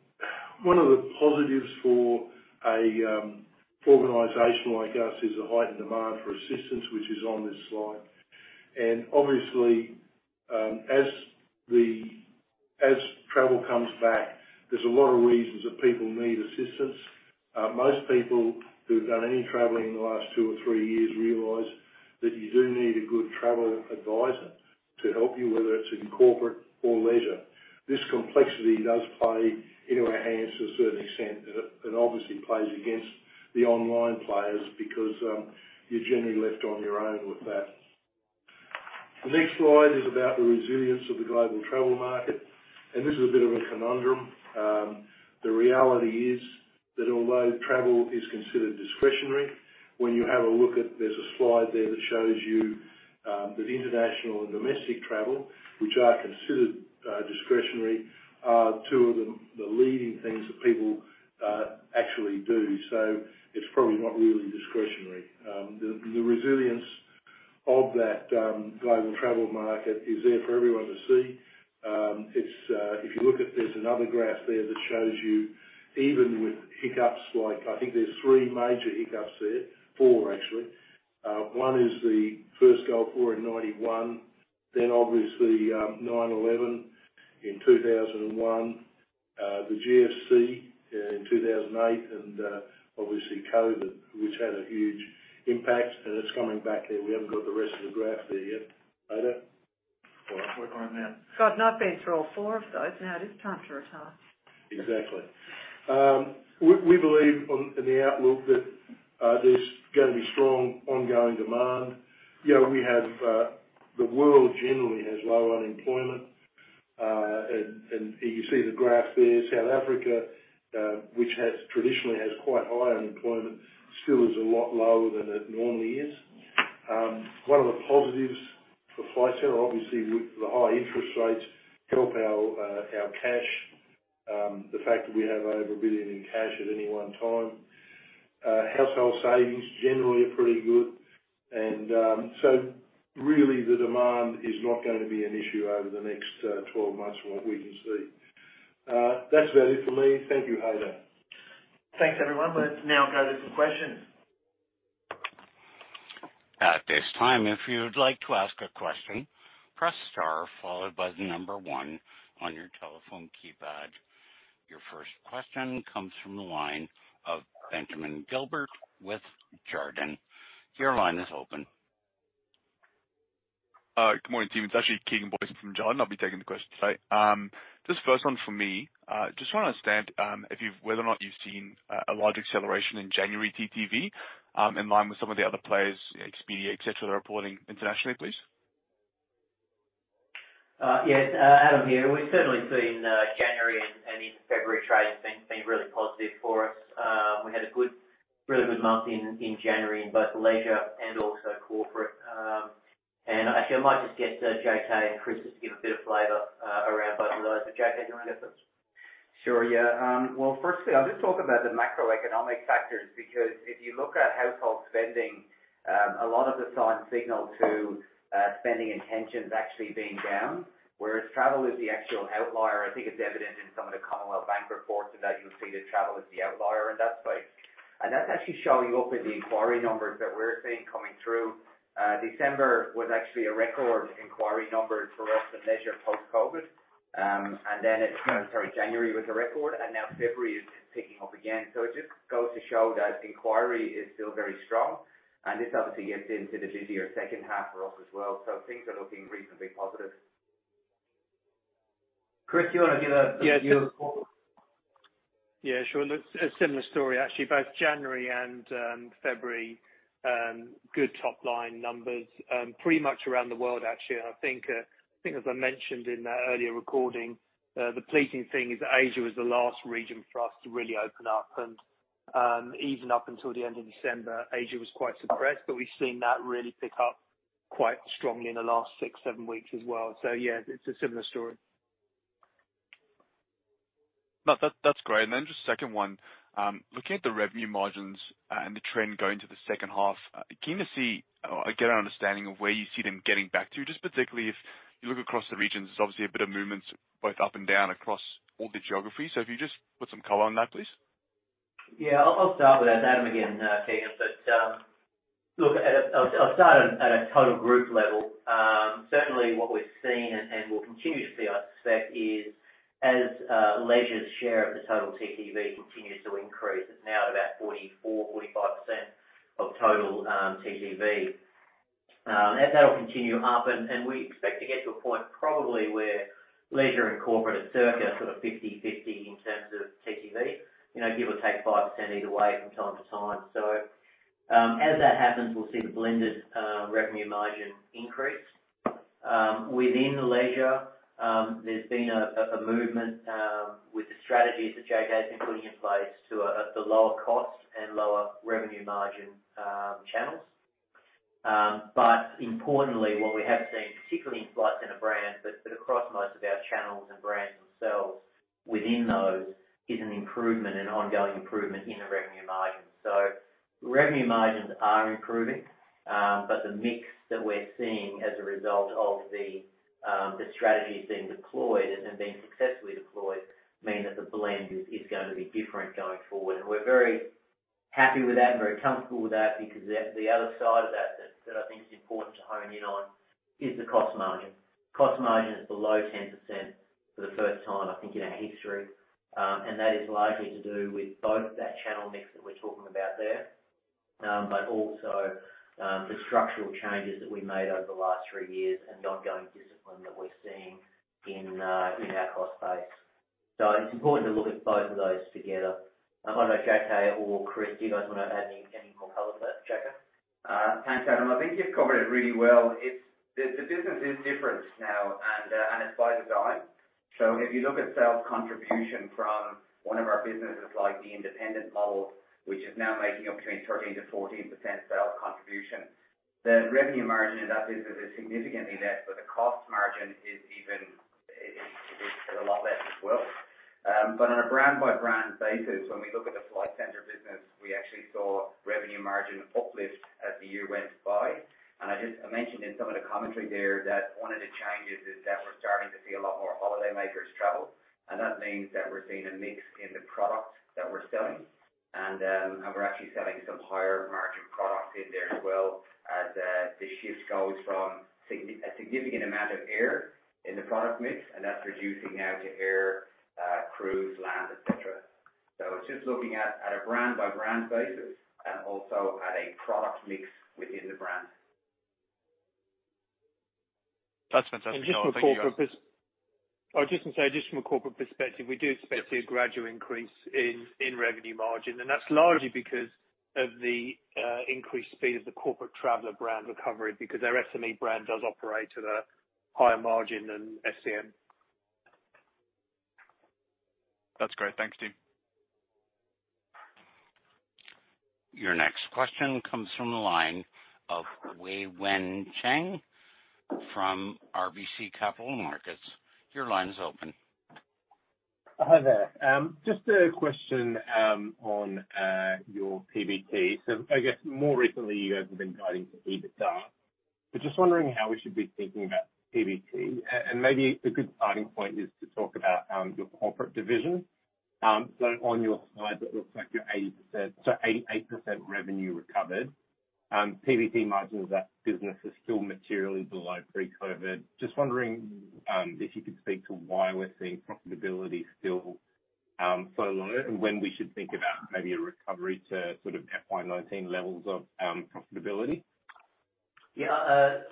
One of the positives for a organization like us is a heightened demand for assistance, which is on this slide. Obviously, as travel comes back, there's a lot of reasons that people need assistance. Most people who've done any traveling in the last two or three years realize that you do need a good travel advisor to help you, whether it's in corporate or leisure. This complexity does play into our hands to a certain extent. It obviously plays against the online players because you're generally left on your own with that. The next slide is about the resilience of the global travel market. This is a bit of a conundrum. The reality is that although travel is considered discretionary, when you have a look at There's a slide there that shows you that international and domestic travel, which are considered discretionary, are two of the leading things that people actually do. It's probably not really discretionary. The resilience of that global travel market is there for everyone to see. It's if you look at There's another graph there that shows you even with hiccups, like I think there's three major hiccups there. Four, actually. One is the first Gulf War in 1991, then obviously 9/11 in 2001, the GFC in 2008, obviously COVID, which had a huge impact, and it's coming back there. We haven't got the rest of the graph there yet. Ada? All right. We're on now. God, I've been through all four of those. Now it is time to retire. Exactly. We believe in the outlook that there's gonna be strong ongoing demand. You know, we have, the world generally has low unemployment. You see the graph there, South Africa, which has traditionally has quite high unemployment, still is a lot lower than it normally is. One of the positives for Flight Centre, obviously with the high interest rates, help our cash, the fact that we have over 1 billion in cash at any one time. Household savings generally are pretty good and really the demand is not gonna be an issue over the next 12 months from what we can see. That's about it for me. Thank you, Ada. Thanks everyone. Let's now go to some questions. At this time, if you'd like to ask a question, press star followed by the number one on your telephone keypad. Your first question comes from the line of Benjamin Gilbert with Jarden. Your line is open. Good morning, team. It's actually Keegan Boyce from Jarden. I'll be taking the questions today. Just first one from me. Just wanna understand, if you've whether or not you've seen a large acceleration in January TTV, in line with some of the other players, Expedia, et cetera, reporting internationally, please? Yeah. Adam here. We've certainly seen January and into February trade has been really positive for us. We had a really good month in January in both leisure and also corporate. Actually I might just get JK and Chris just to give a bit of flavor around both of those. JK, do you wanna go first? Sure, yeah. Well, firstly, I'll just talk about the macroeconomic factors because if you look at household spending, a lot of the signs signal to spending intentions actually being down, whereas travel is the actual outlier. I think it's evident in some of the Commonwealth Bank reports and that you'll see that travel is the outlier in that space. That's actually showing up in the inquiry numbers that we're seeing coming through. December was actually a record inquiry number for us in leisure post-COVID. Sorry, January was a record, and now February is picking up again. It just goes to show that inquiry is still very strong. This obviously gives into the busier second half for us as well. Things are looking reasonably positive. Chris, do you wanna give a view of corporate? Yeah, sure. Look, a similar story actually. Both January and February, good top line numbers, pretty much around the world actually. I think as I mentioned in that earlier recording, the pleasing thing is that Asia was the last region for us to really open up. Even up until the end of December, Asia was quite suppressed, but we've seen that really pick up quite strongly in the last six, seven weeks as well. Yeah, it's a similar story. No. That's great. Just second one. Looking at the revenue margins and the trend going to the second half, keen to see or get an understanding of where you see them getting back to. Just particularly if you look across the regions, there's obviously a bit of movements both up and down across all the geographies. If you just put some color on that, please. Yeah. I'll start with that. Adam again Keegan. Look, I'll start at a total group level. Certainly what we've seen and will continue to see, I suspect, is as leisure's share of the total TTV continues to increase, it's now at about 44%-45% of total TTV. That will continue up, and we expect to get to a point probably where leisure and corporate are circa sort of 50/50 in terms of TTV. You know, give or take 5% either way from time to time. As that happens, we'll see the blended revenue margin increase. Within leisure, there's been a movement with the strategies that JK has been putting in place to the lower cost and lower revenue margin channels. Importantly, what we have seen, particularly in Flight Centre brands, across most of our channels and brands themselves within those, is an improvement and ongoing improvement in the revenue margins. Revenue margins are improving, the mix that we're seeing as a result of the strategies being deployed and being successfully deployed mean that the blend is gonna be different going forward. We're very happy with that and very comfortable with that because the other side of that I think is important to hone in on is the cost margin. Cost margin is below 10% for the first time, I think, in our history. That is largely to do with both that channel mix that we're talking about there, but also, the structural changes that we made over the last three years and the ongoing discipline that we're seeing in our cost base. It's important to look at both of those together. I don't know, JK or Chris, do you guys wanna add any more color to that? JK? Thanks Adam. I think you've covered it really well. The business is different now and it's by design. If you look at sales contribution from one of our businesses like the independent model, which is now making up between 13%-14% sales contribution, the revenue margin in that business is significantly less, but the cost margin is even, it is a lot less as well. On a brand-by-brand basis, when we look at the Flight Centre business, we actually saw revenue margin uplift as the year went by. I mentioned in some of the commentary there that one of the changes is that we're starting to see a lot more holidaymakers travel. That means that we're seeing a mix in the product that we're selling. We're actually selling some higher margin product in there as well as the shift goes from a significant amount of air in the product mix, and that's reducing now to air, cruise, land, etc. It's just looking at a brand-by-brand basis and also at a product mix within the brand. That's fantastic. Thank you guys. Just to say, just from a corporate perspective, we do expect to see a gradual increase in revenue margin. That's largely because of the increased speed of the Corporate Traveller brand recovery because our SME brand does operate at a higher margin than SCM. That's great. Thanks team. Your next question comes from the line of Wei-Weng Chen from RBC Capital Markets. Your line is open. Hi there. Just a question on your PBT. I guess more recently, you guys have been guiding to EBITDA. Just wondering how we should be thinking about PBT. And maybe a good starting point is to talk about your corporate division. On your slide, it looks like you're 88% revenue recovered. PBT margin of that business is still materially below pre-COVID. Just wondering if you could speak to why we're seeing profitability still so low and when we should think about maybe a recovery to sort of FY19 levels of profitability.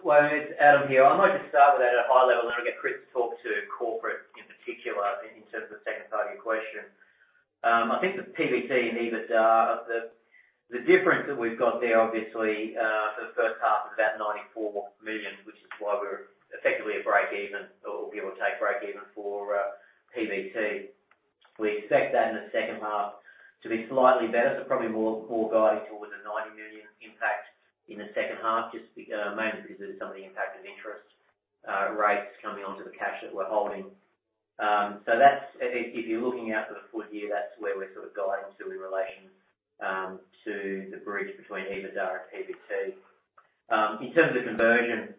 Well, it's Adam here. I might just start with that at a high level, then I'll get Chris to talk to corporate in particular in terms of the second part of your question. I think the PBT and EBITDA, the difference that we've got there, obviously, for the first half is about 94 million, which is why we're effectively at break even or give or take break even for PBT. We expect that in the second half to be slightly better, probably guiding towards the 90 million impact in the second half mainly because of some of the impact of interest rates coming onto the cash that we're holding. If you're looking out for the full year, that's where we're sort of guiding to in relation to the bridge between EBITDA and PBT. In terms of conversion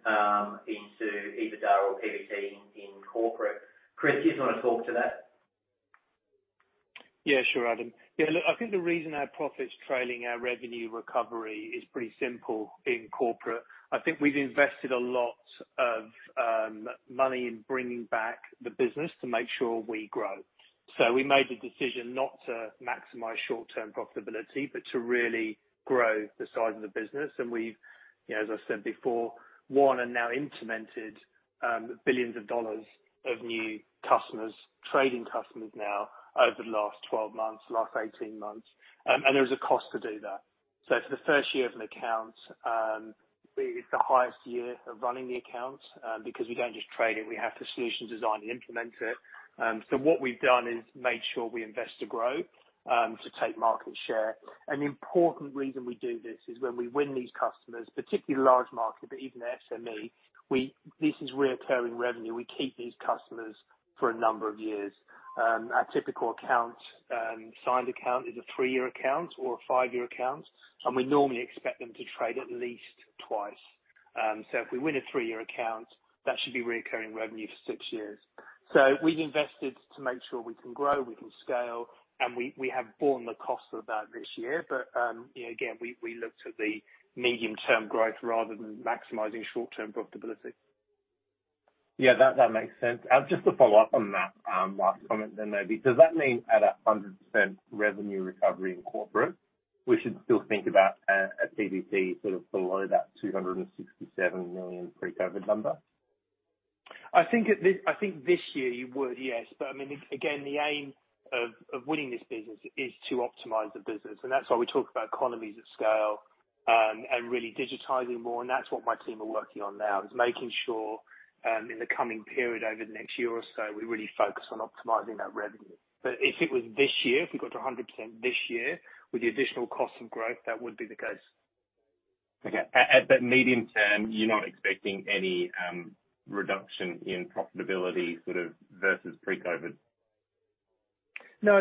into EBITDA or PBT in corporate, Chris, do you just wanna talk to that? Yeah, sure Adam. Yeah, look, I think the reason our profit's trailing our revenue recovery is pretty simple in corporate. I think we've invested a lot of money in bringing back the business to make sure we grow. We made the decision not to maximize short-term profitability, but to really grow the size of the business. We've, you know, as I said before, won and now implemented, billions dollars of new customers, trading customers now over the last 12 months, the last 18 months. There is a cost to do that. For the first year of an account, it is the highest year of running the account, because we don't just trade it, we have to solution design and implement it. What we've done is made sure we invest to grow, to take market share. An important reason we do this is when we win these customers, particularly large market, but even SME, this is reoccurring revenue. We keep these customers for a number of years. Our typical account, signed account is a three-year account or a five-year account. We normally expect them to trade at least twice. If we win a three-year account, that should be reoccurring revenue for 6 years. We've invested to make sure we can grow, we can scale, and we have borne the cost of that this year. You know, again, we looked at the medium-term growth rather than maximizing short-term profitability. That makes sense. Just to follow up on that last comment then, maybe. Does that mean at a 100% revenue recovery in corporate, we should still think about a PBT sort of below that 267 million pre-COVID number? I think this year you would, yes. I mean, again, the aim of winning this business is to optimize the business. That's why we talk about economies of scale and really digitizing more, and that's what my team are working on now, is making sure in the coming period, over the next year or so, we really focus on optimizing that revenue. If it was this year, if we got to 100% this year with the additional cost of growth, that would be the case. Okay. Medium term, you're not expecting any reduction in profitability sort of versus pre-COVID? I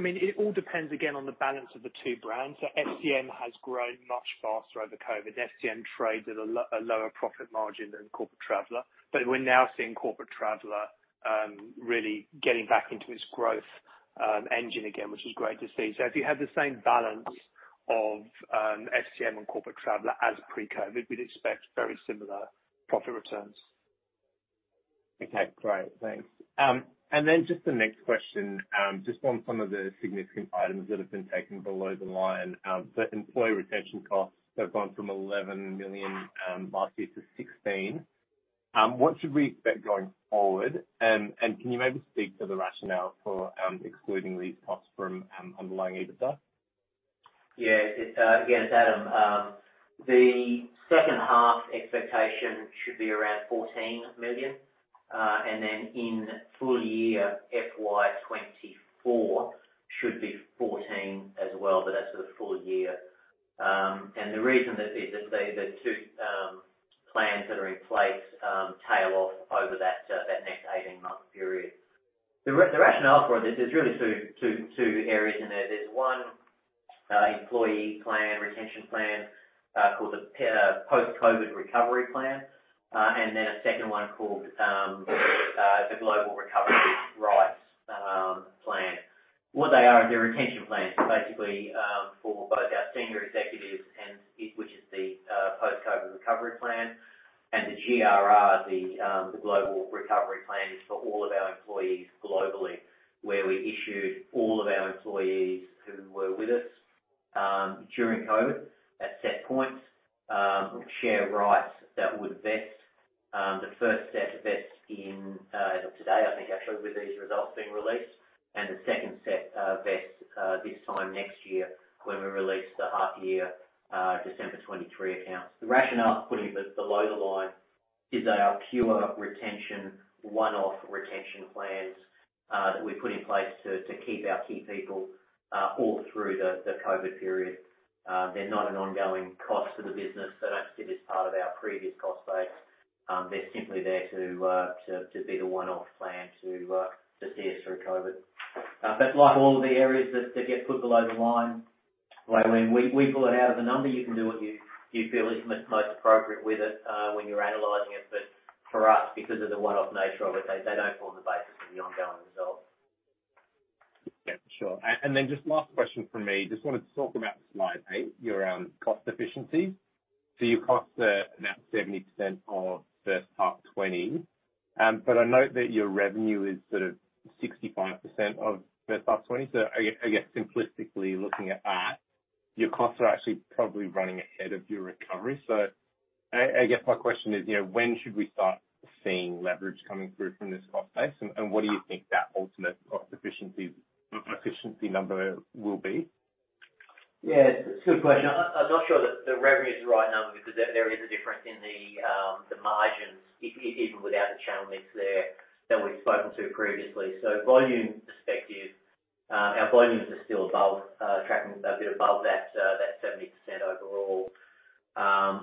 mean it all depends, again, on the balance of the two brands. SCM has grown much faster over COVID. SCM trades at a lower profit margin than Corporate Traveller, we're now seeing Corporate Traveller really getting back into its growth engine again, which is great to see. If you had the same balance of SCM and Corporate Traveller as pre-COVID, we'd expect very similar profit returns. Okay great. Thanks. Just the next question, just on some of the significant items that have been taken below the line. The employee retention costs have gone from 11 million last year to 16 million. What should we expect going forward? Can you maybe speak to the rationale for excluding these costs from underlying EBITDA? Yeah. Again, it's Adam. The second half expectation should be around $14 million. In full year, FY 2024 should be $14 million as well, that's for the full year. The reason that is is the two plans that are in place tail off over that next 18-month period. The rationale for this is really two areas in there. There's one employee plan, retention plan, called the Post-COVID Recovery Plan. A second one called the Global Recovery Rights Plan. What they are is they're retention plans basically for both our senior executives which is the Post-COVID Recovery Plan. The GRR, the Global Recovery Plan, is for all of our employees first half 2020. I guess simplistically looking at that, your costs are actually probably running ahead of your recovery. I guess my question is, you know, when should we start seeing leverage coming through from this cost base? What do you think that ultimate cost efficiency number will be? Yeah, it's a good question. I'm not sure that the revenue is the right number because there is a difference in the margins even without the channel mix there that we've spoken to previously. Volume perspective, our volumes are still above tracking a bit above that 70% overall,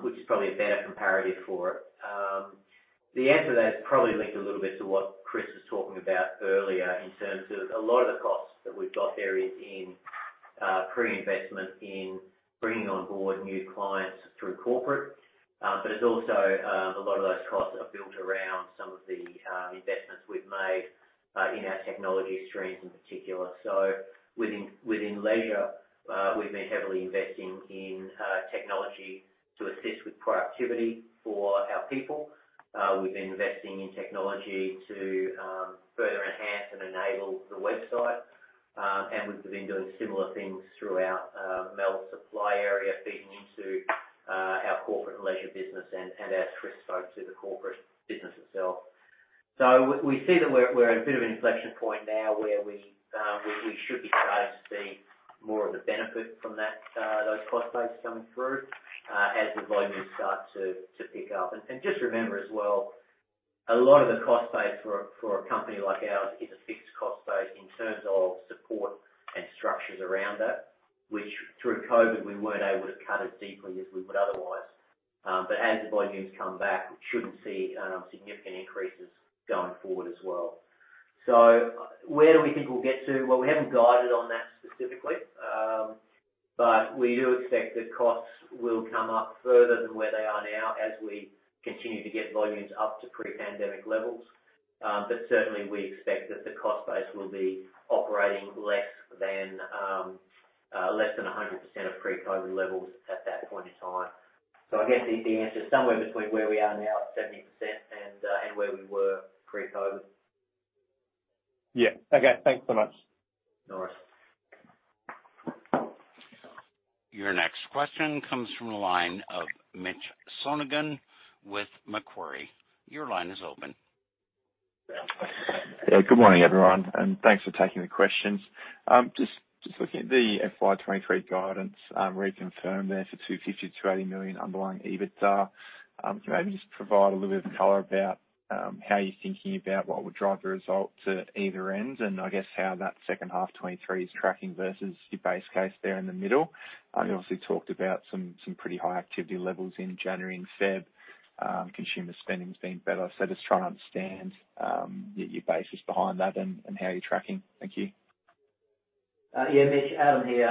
which is probably a better comparative for it. The answer to that is probably linked a little bit to what Chris was talking about earlier in terms of a lot of the costs that we've got there in pre-investment in bringing on board new clients through Corporate. It's also a lot of those costs are built around some of the investments we've made in our technology streams in particular. Within leisure, we've been heavily investing in technology to assist with productivity for our people. We've been investing in technology to further enhance and enable the website. We've been doing similar things throughout our mail supply area, feeding into our corporate and leisure business and our risk folks to the corporate business itself. We see that we're at a bit of an inflection point now where we should be starting to see more of the benefit from that those cost base coming through as the volumes start to pick up. Just remember as well, a lot of the cost base for a company like ours is a fixed cost base in terms of support and structures around that, which through COVID, we weren't able to cut as deeply as we would otherwise. As the volumes come back, we shouldn't see significant increases going forward as well. Where do we think we'll get to? We haven't guided on that specifically, but we do expect that costs will come up further than where they are now as we continue to get volumes up to pre-pandemic levels. Certainly we expect that the cost base will be operating less than 100% of pre-COVID levels at that point in time. I guess the answer is somewhere between where we are now, 70%, and where we were pre-COVID. Yeah okay. Thanks so much. No worries. Your next question comes from the line of Mitch Sonogan with Macquarie. Your line is open. Yeah. Good morning everyone, and thanks for taking the questions. Just looking at the FY23 guidance, reconfirmed there for 250 million-280 million underlying EBITDA. Can you maybe just provide a little bit of color about how you're thinking about what would drive the result to either end, and I guess how that second half 2023 is tracking versus your base case there in the middle? Yeah. You obviously talked about some pretty high activity levels in January and Feb. Consumer spending's been better. Just trying to understand your basis behind that and how you're tracking. Thank you. Yeah Mitch. Adam here.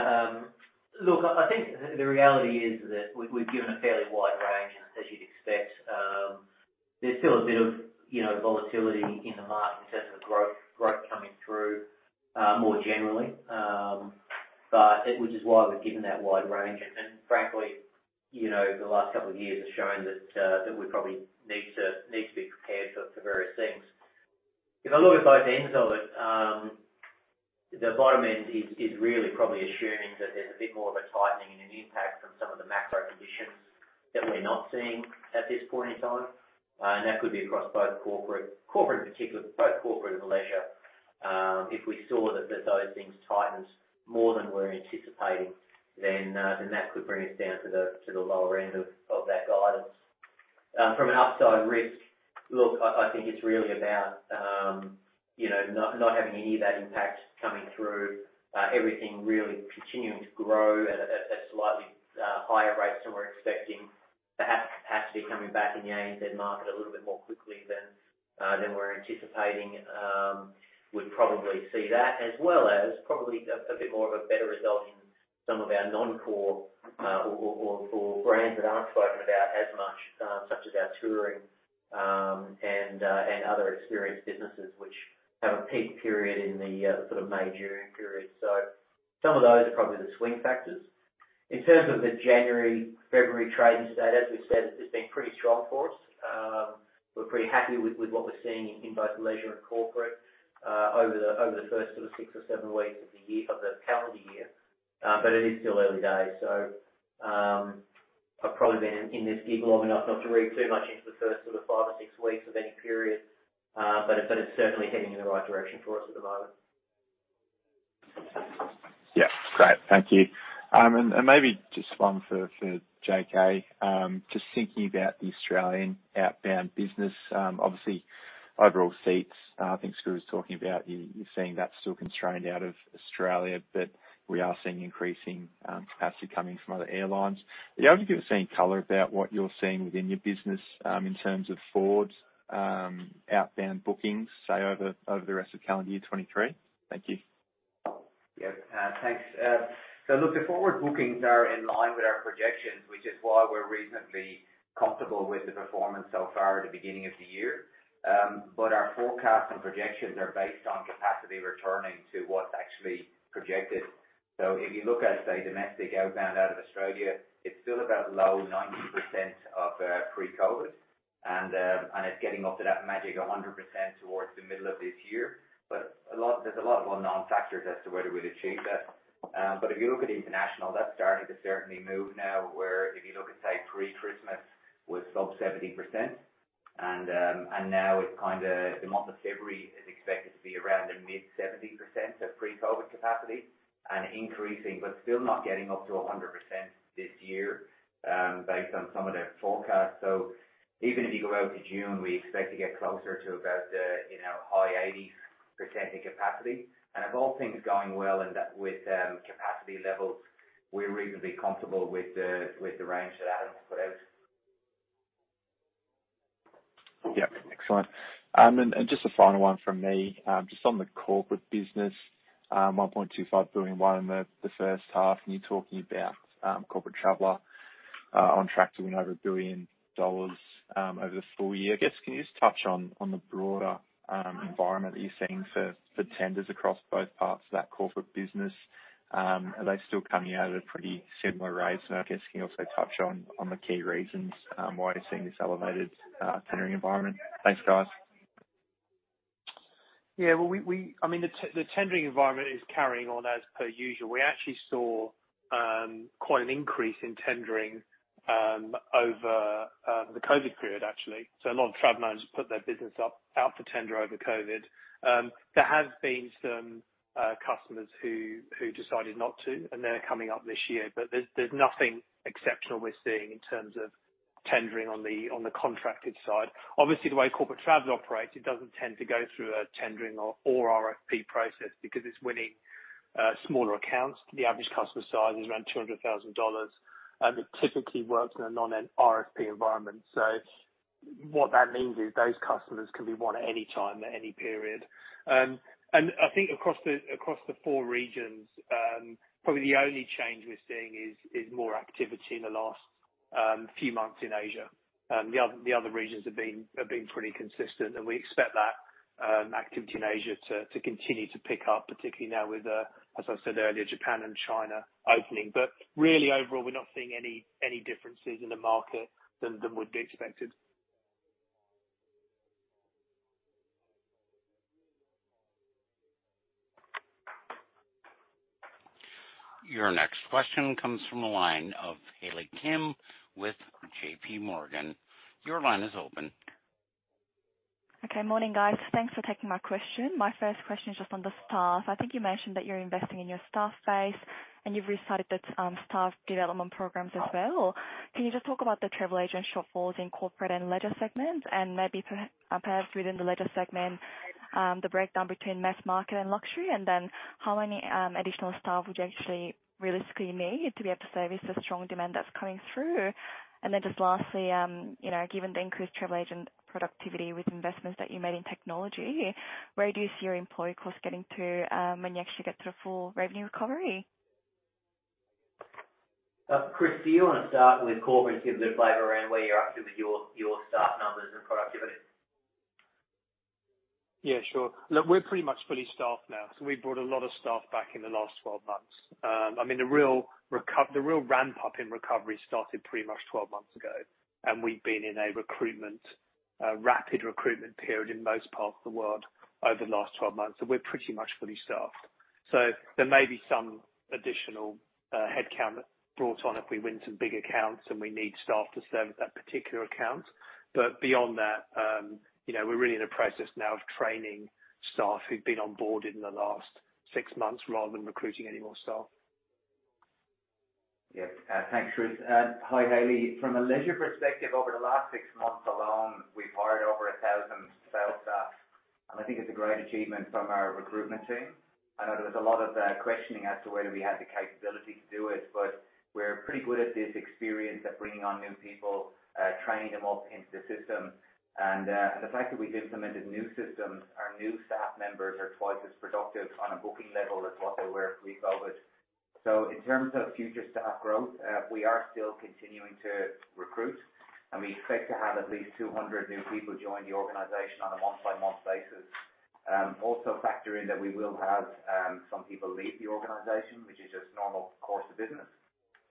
Look, I think the reality is that we've given a fairly wide range, as you'd expect, there's still a bit of, you know, volatility in the market in terms of growth coming through, more generally. Which is why we've given that wide range. Frankly, you know, the last couple of years have shown that we probably need to be prepared for various things. If I look at both ends of it, the bottom end is really probably assuming that there's a bit more of a tightening and an impact from some of the macro conditions that we're not seeing at this point in time. That could be across both corporate in particular, both corporate and leisure. If we saw those things tightened more than we're anticipating, then that could bring us down to the lower end of that guidance. From an upside risk look, I think it's really about, you know, not having any of that impact coming through. Everything really continuing to grow at a slightly higher rate than we're expecting. Perhaps capacity coming back in the ANZ market a little bit more quickly than we're anticipating. We'd probably see that as well as probably a bit more of a better result in some of our non-core or core brands that aren't spoken about as much, such as our touring and other experience businesses which have a peak period in the sort of May-June period. Some of those are probably the swing factors. In terms of the January, February trading to date, as we've said, it's been pretty strong for us. We're pretty happy with what we're seeing in both leisure and corporate over the first 6 or 7 weeks of the year, of the calendar year. It is still early days, I've probably been in this gig long enough not to read too much into the first 5 or 6 weeks of any period. It's certainly heading in the right direction for us at the moment. Yeah great. Thank you. Maybe just one for JK. Just thinking about the Australian outbound business. Obviously overall seats, I think Skroo was talking about you're seeing that still constrained out of Australia, but we are seeing increasing capacity coming from other airlines. Are you able to give us any color about what you're seeing within your business, in terms of forwards, outbound bookings, say over the rest of calendar year 2023? Thank you. Yep. Thanks. Look, the forward bookings are in line with our projections, which is why we're reasonably comfortable with the performance so far at the beginning of the year. Our forecast and projections are based on capacity returning to what's actually projected. If you look at, say, domestic outbound out of Australia, it's still about low 90% of pre-COVID and it's getting up to that magic 100% towards the middle of this year. There's a lot of unknown factors as to whether we'd achieve that. If you look at international, that's starting to certainly move now, where if you look at, say, pre-Christmas was sub 70% and now it's kinda the month of February is expected to be around the mid-70% of pre-COVID capacity and increasing, still not getting up to 100% this year, based on some of the forecasts. Even if you go out to June, we expect to get closer to about, you know, high-80% of capacity. If all things going well and that with capacity levels, we're reasonably comfortable with the range that Adam's put out. Yep. Excellent. Just a final one from me. Just on the corporate business, 1.25 billion won in the first half, and you're talking about Corporate Traveller on track to win over 1 billion dollars over the full year. I guess can you just touch on the broader environment that you're seeing for tenders across both parts of that corporate business? Are they still coming out at a pretty similar rate? I guess can you also touch on the key reasons why you're seeing this elevated tendering environment? Thanks guys. Yeah, well, I mean, the tendering environment is carrying on as per usual. We actually saw quite an increase in tendering over the COVID period, actually. A lot of travel managers put their business up, out for tender over COVID. There have been some customers who decided not to, and they're coming up this year. There's nothing exceptional we're seeing in terms of tendering on the contracted side. Obviously, the way corporate travel operates, it doesn't tend to go through a tendering or RFP process because it's winning smaller accounts. The average customer size is around 200,000 dollars, and it typically works in a non-RFP environment. What that means is those customers can be won at any time, at any period. I think across the four regions, probably the only change we're seeing is more activity in the last few months in Asia. The other regions have been pretty consistent. We expect that activity in Asia to continue to pick up, particularly now with, as I said earlier, Japan and China opening. Really, overall, we're not seeing any differences in the market than would be expected. Your next question comes from the line of Hailey Kim with JPMorgan. Your line is open. Okay morning guys. Thanks for taking my question. My first question is just on the staff. I think you mentioned that you're investing in your staff base and you've restarted the staff development programs as well. Can you just talk about the travel agent shortfalls in corporate and leisure segments? Maybe perhaps within the leisure segment, the breakdown between mass market and luxury, and then how many additional staff would you actually realistically need to be able to service the strong demand that's coming through? Just lastly, you know, given the increased travel agent productivity with investments that you made in technology, where do you see your employee costs getting to when you actually get to a full revenue recovery? Chris, do you wanna start with corporate and give a flavor around where you're up to with your staff numbers and productivity? Yeah sure. Look, we're pretty much fully staffed now. We brought a lot of staff back in the last 12 months. I mean, the real ramp-up in recovery started pretty much 12 months ago, and we've been in a recruitment, a rapid recruitment period in most parts of the world over the last 12 months. We're pretty much fully staffed. There may be some additional headcount brought on if we win some big accounts and we need staff to service that particular account. Beyond that, you know, we're really in a process now of training staff who've been on board in the last six months rather than recruiting any more staff. Yep. Thanks Chris. Hi Hailey. From a leisure perspective, over the last 6 months alone, we've hired over 1,000 sales staff. I think it's a great achievement from our recruitment team. I know there was a lot of questioning as to whether we had the capability to do it, but we're pretty good at this experience of bringing on new people, training them up into the system. The fact that we've implemented new systems, our new staff members are twice as productive on a booking level as what they were pre-COVID. In terms of future staff growth, we are still continuing to recruit, and we expect to have at least 200 new people join the organization on a month-by-month basis. Also factor in that we will have some people leave the organization, which is just normal course of business.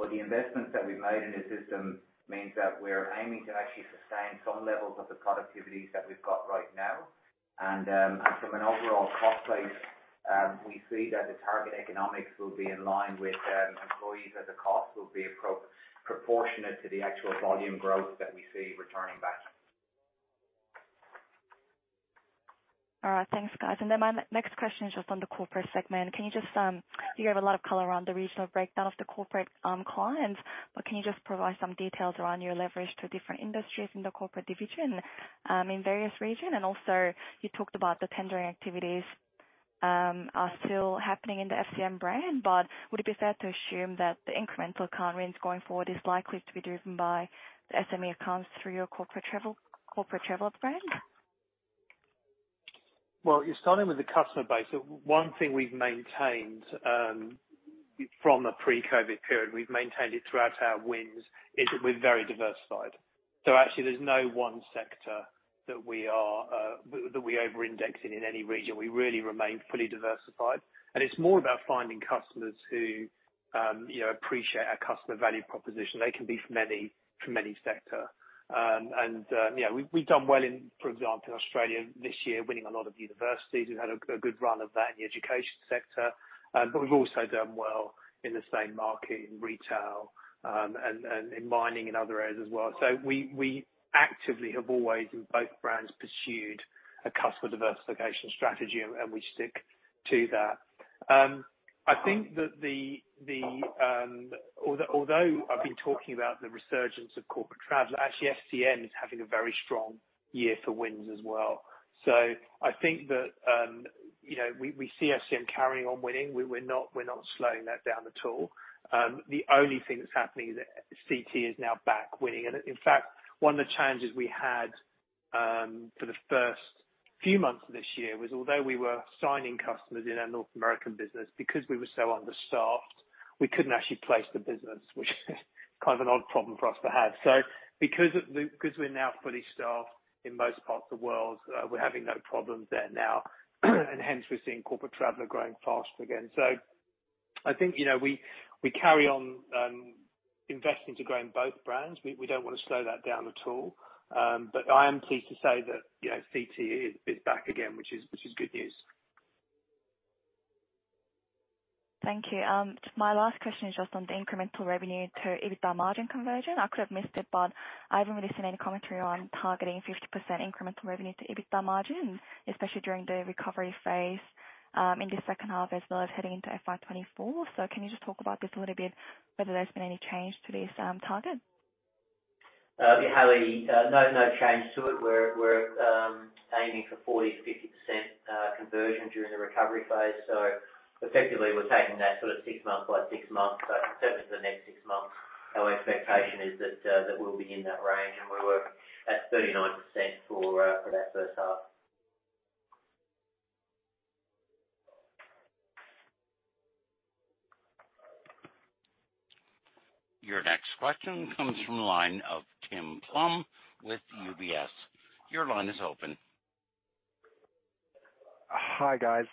The investments that we've made in the system means that we're aiming to actually sustain some levels of the productivities that we've got right now. From an overall cost place, we see that the target economics will be in line with employees as a cost will be proportionate to the actual volume growth that we see returning back. All right. Thanks guys. My next question is just on the corporate segment. Can you just, you have a lot of color around the regional breakdown of the corporate clients, but can you just provide some details around your leverage to different industries in the corporate division, in various region? You talked about the tendering activities are still happening in the FCM brand, but would it be fair to assume that the incremental account wins going forward is likely to be driven by the SME accounts through your Corporate Traveller brand? Well, starting with the customer base, one thing we've maintained, from a pre-COVID period, we've maintained it throughout our wins, is that we're very diversified. Actually there's no one sector that we are, that we over-index in any region. We really remain fully diversified. It's more about finding customers who, you know, appreciate our customer value proposition. They can be from any, from any sector. Yeah, we've done well in, for example, in Australia this year, winning a lot of universities. We've had a good run of that in the education sector. We've also done well in the same market in retail, and in mining and other areas as well. We, we actively have always in both brands pursued a customer diversification strategy and we stick to that. I think that the resurgence of corporate travel, actually FCM is having a very strong year for wins as well. I think that, you know, we see FCM carrying on winning. We're not slowing that down at all. The only thing that's happening is that Corporate Traveller is now back winning. In fact, one of the challenges we had for the first few months of this year was, although we were signing customers in our North American business, because we were so understaffed, we couldn't actually place the business, which is kind of an odd problem for us to have. Because we're now fully staffed in most parts of the world, we're having no problems there now, and hence we're seeing corporate travel growing fast again. I think, you know, we carry on investing to grow in both brands. We don't wanna slow that down at all. I am pleased to say that, you know, CT is back again, which is good news. Thank you. My last question is just on the incremental revenue to EBITDA margin conversion. I could have missed it, but I haven't really seen any commentary on targeting 50% incremental revenue to EBITDA margin, especially during the recovery phase, in the second half as well as heading into FY 2024. Can you just talk about this a little bit, whether there's been any change to this, target? Yeah Hailey, no change to it. We're aiming for 40%-50% conversion during the recovery phase. Effectively, we're taking that sort of 6 months by 6 months. Certainly for the next 6 months, our expectation is that we'll be in that range and we were at 39% for that first half. Your next question comes from the line of Tim Plumbe with UBS. Your line is open. Hi guys.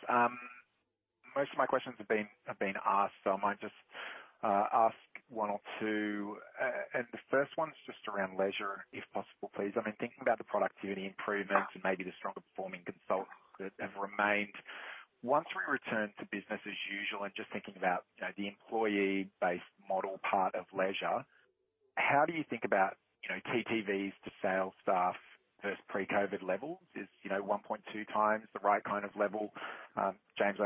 Most of my questions have been asked, so I might just ask one or two. The first one's just around leisure, if possible, please. I mean, thinking about the productivity improvements and maybe the stronger performing consultants that have remained. Once we return to business as usual and just thinking about, you know, the employee-based model part of leisure, how do you think about, you know, TTVs to sales staff versus pre-COVID levels? Is, you know, 1.2 times the right kind of level? James,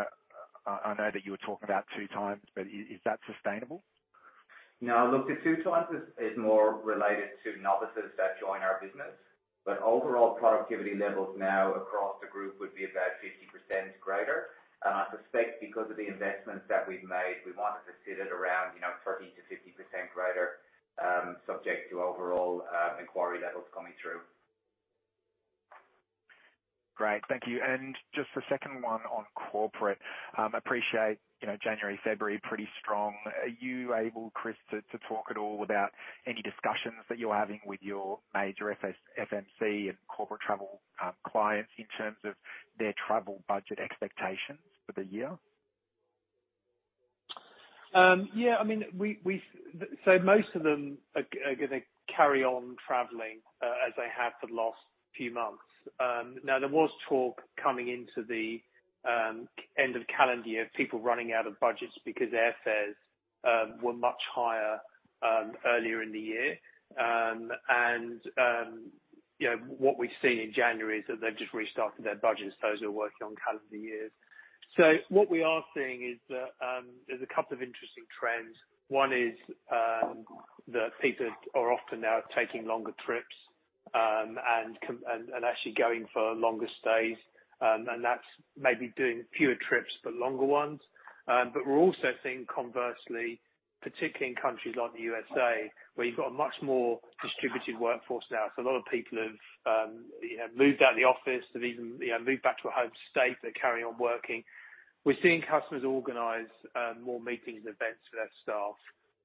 I know that you were talking about two times, but is that sustainable? No. Look, the two times is more related to novices that join our business, overall productivity levels now across the group would be about 50% greater. I suspect because of the investments that we've made, we wanted to sit at around, you know, 30%-50% greater, subject to overall inquiry levels coming through. Great. Thank you. Just the second one on corporate. Appreciate, you know, January, February, pretty strong. Are you able, Chris, to talk at all about any discussions that you're having with your major FCM and Corporate Traveller clients in terms of their travel budget expectations for the year? Yeah, I mean, we Most of them are gonna carry on traveling, as they have for the last few months. There was talk coming into the end of calendar year of people running out of budgets because airfares were much higher earlier in the year. You know, what we've seen in January is that they've just restarted their budgets, those who are working on calendar years. What we are seeing is that there's a couple of interesting trends. One is that people are often now taking longer trips, and actually going for longer stays, and that's maybe doing fewer trips but longer ones. We're also seeing conversely, particularly in countries like the USA, where you've got a much more distributed workforce now, so a lot of people have, you know, moved out of the office. They've even, you know, moved back to a home state. They carry on working. We're seeing customers organize more meetings and events for their staff,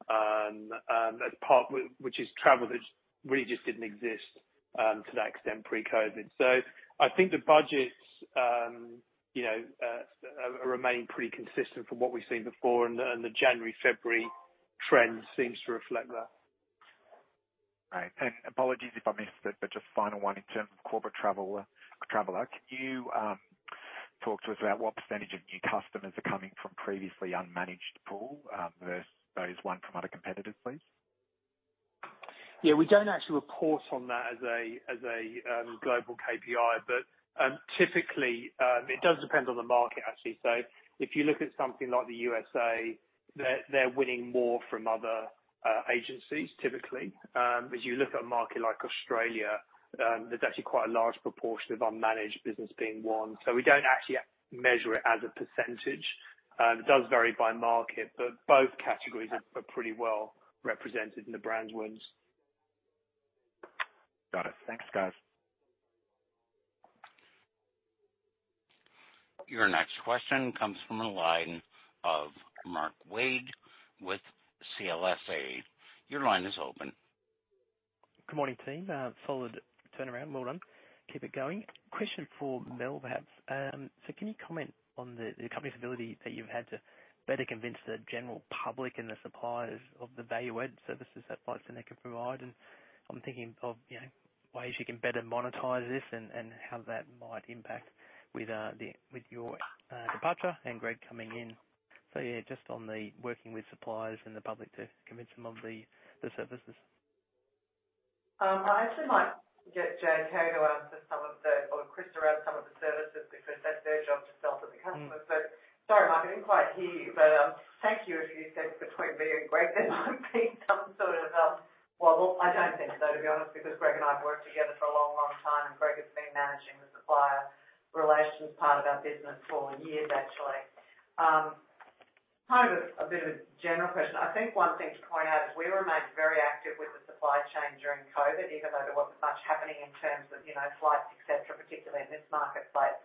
as part which is travel that really just didn't exist to that extent pre-COVID. I think the budgets, you know, remain pretty consistent from what we've seen before, and the January, February trend seems to reflect that. Right. Apologies if I missed it, but just final one in terms of Corporate Traveller. Can you talk to us about what percentage of new customers are coming from previously unmanaged pool, versus those won from other competitors, please? Yeah, we don't actually report on that as a, as a global KPI. Typically, it does depend on the market, actually. If you look at something like the USA, they're winning more from other agencies typically. If you look at a market like Australia, there's actually quite a large proportion of unmanaged business being won. We don't actually measure it as a percentage. It does vary by market, but both categories are pretty well represented in the brand's wins. Got it. Thanks guys. Your next question comes from the line of Mark Wade with CLSA. Your line is open. Good morning, team. Solid turnaround. Well done. Keep it going. Question for Mel, perhaps. Can you comment on the company's ability that you've had to better convince the general public and the suppliers of the value-add services that Flight Centre can provide? I'm thinking of, you know, ways you can better monetize this and how that might impact with your departure and Greg coming in. Yeah, just on the working with suppliers and the public to convince them of the services. I actually might get JK to answer some of the or Chris around some of the services because that's their job to sell to the customers. Sorry, Mark, I didn't quite hear you. Thank you. As you said, between me and Greg, there might be some sort of, well, I don't think so, to be honest, because Greg and I have worked together for a long, long time, and Greg has been managing the supplier relations part of our business for years actually. Kind of a bit of a general question. I think one thing to point out is we remained very active with the supply chain during COVID, even though there wasn't much happening in terms of, you know, flights, et cetera, particularly in this marketplace.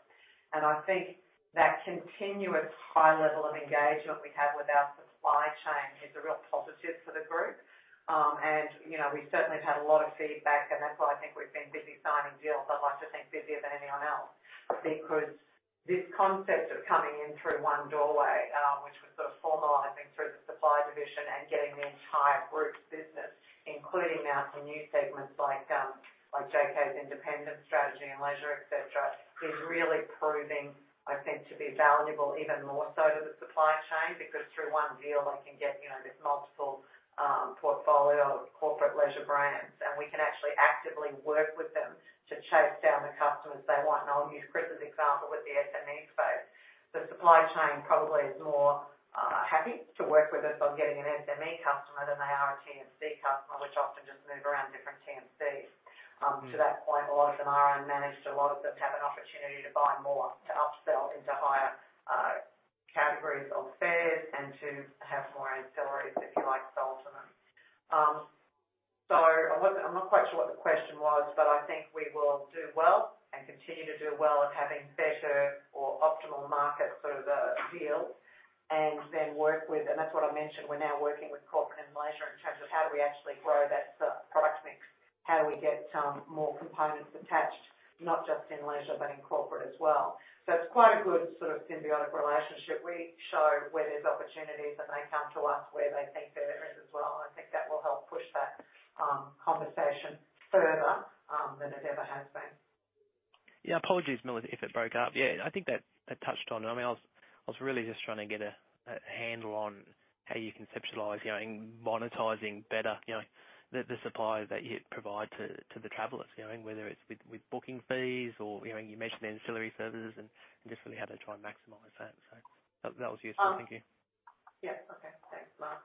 I think that continuous high level of engagement we have with our supply chain is a real positive for the group. You know, we certainly have had a lot of feedback, and that's why I think we've been busy signing deals, I'd like to think busier than anyone else because. This concept of coming in through one doorway, which was sort of formalizing through the supply division and getting the entire group's business, including now some new segments like JK's independent strategy and leisure, et cetera, is really proving, I think, to be valuable even more so to the supply chain, because through one deal, they can get, you know, this multiple portfolio of corporate leisure brands, and we can actually actively work with them to chase down the customers they want. I'll use Chris's example with the SME space. The supply chain probably is more happy to work with us on getting an SME customer than they are a TMC customer, which often just move around different TMCs. To that point, a lot of them are unmanaged. A lot of them have an opportunity to buy more, to upsell into higher categories of fares and to have more ancillaries, if you like, sold to them. I'm not quite sure what the question was, but I think we will do well and continue to do well at having better or optimal market sort of deal and then work with. That's what I mentioned, we're now working with corporate and leisure in terms of how do we actually grow that sort of product mix? How do we get more components attached, not just in leisure, but in corporate as well. It's quite a good sort of symbiotic relationship. We show where there's opportunities, and they come to us where they think there is as well. I think that will help push that conversation further than it ever has been. Apologies Melissa, if it broke up. I think that touched on it. I mean, I was really just trying to get a handle on how you conceptualize, you know, monetizing better, you know, the supply that you provide to the travelers, you know, whether it's with booking fees or, you know, you mentioned the ancillary services and just really how to try and maximize that. That was useful. Thank you. Yeah okay, thanks Mark.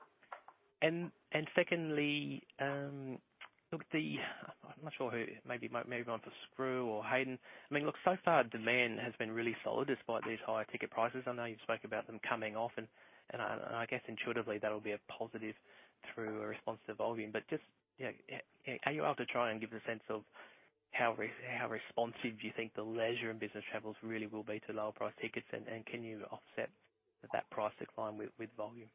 Secondly, look, I'm not sure who, maybe one for Skroo or Hayden. Look, so far demand has been really solid despite these higher ticket prices. I know you've spoke about them coming off, and I guess intuitively that'll be a positive through a response to volume. Just, you know, are you able to try and give a sense of how responsive do you think the leisure and business travelers really will be to lower price tickets? Can you offset that price decline with volume?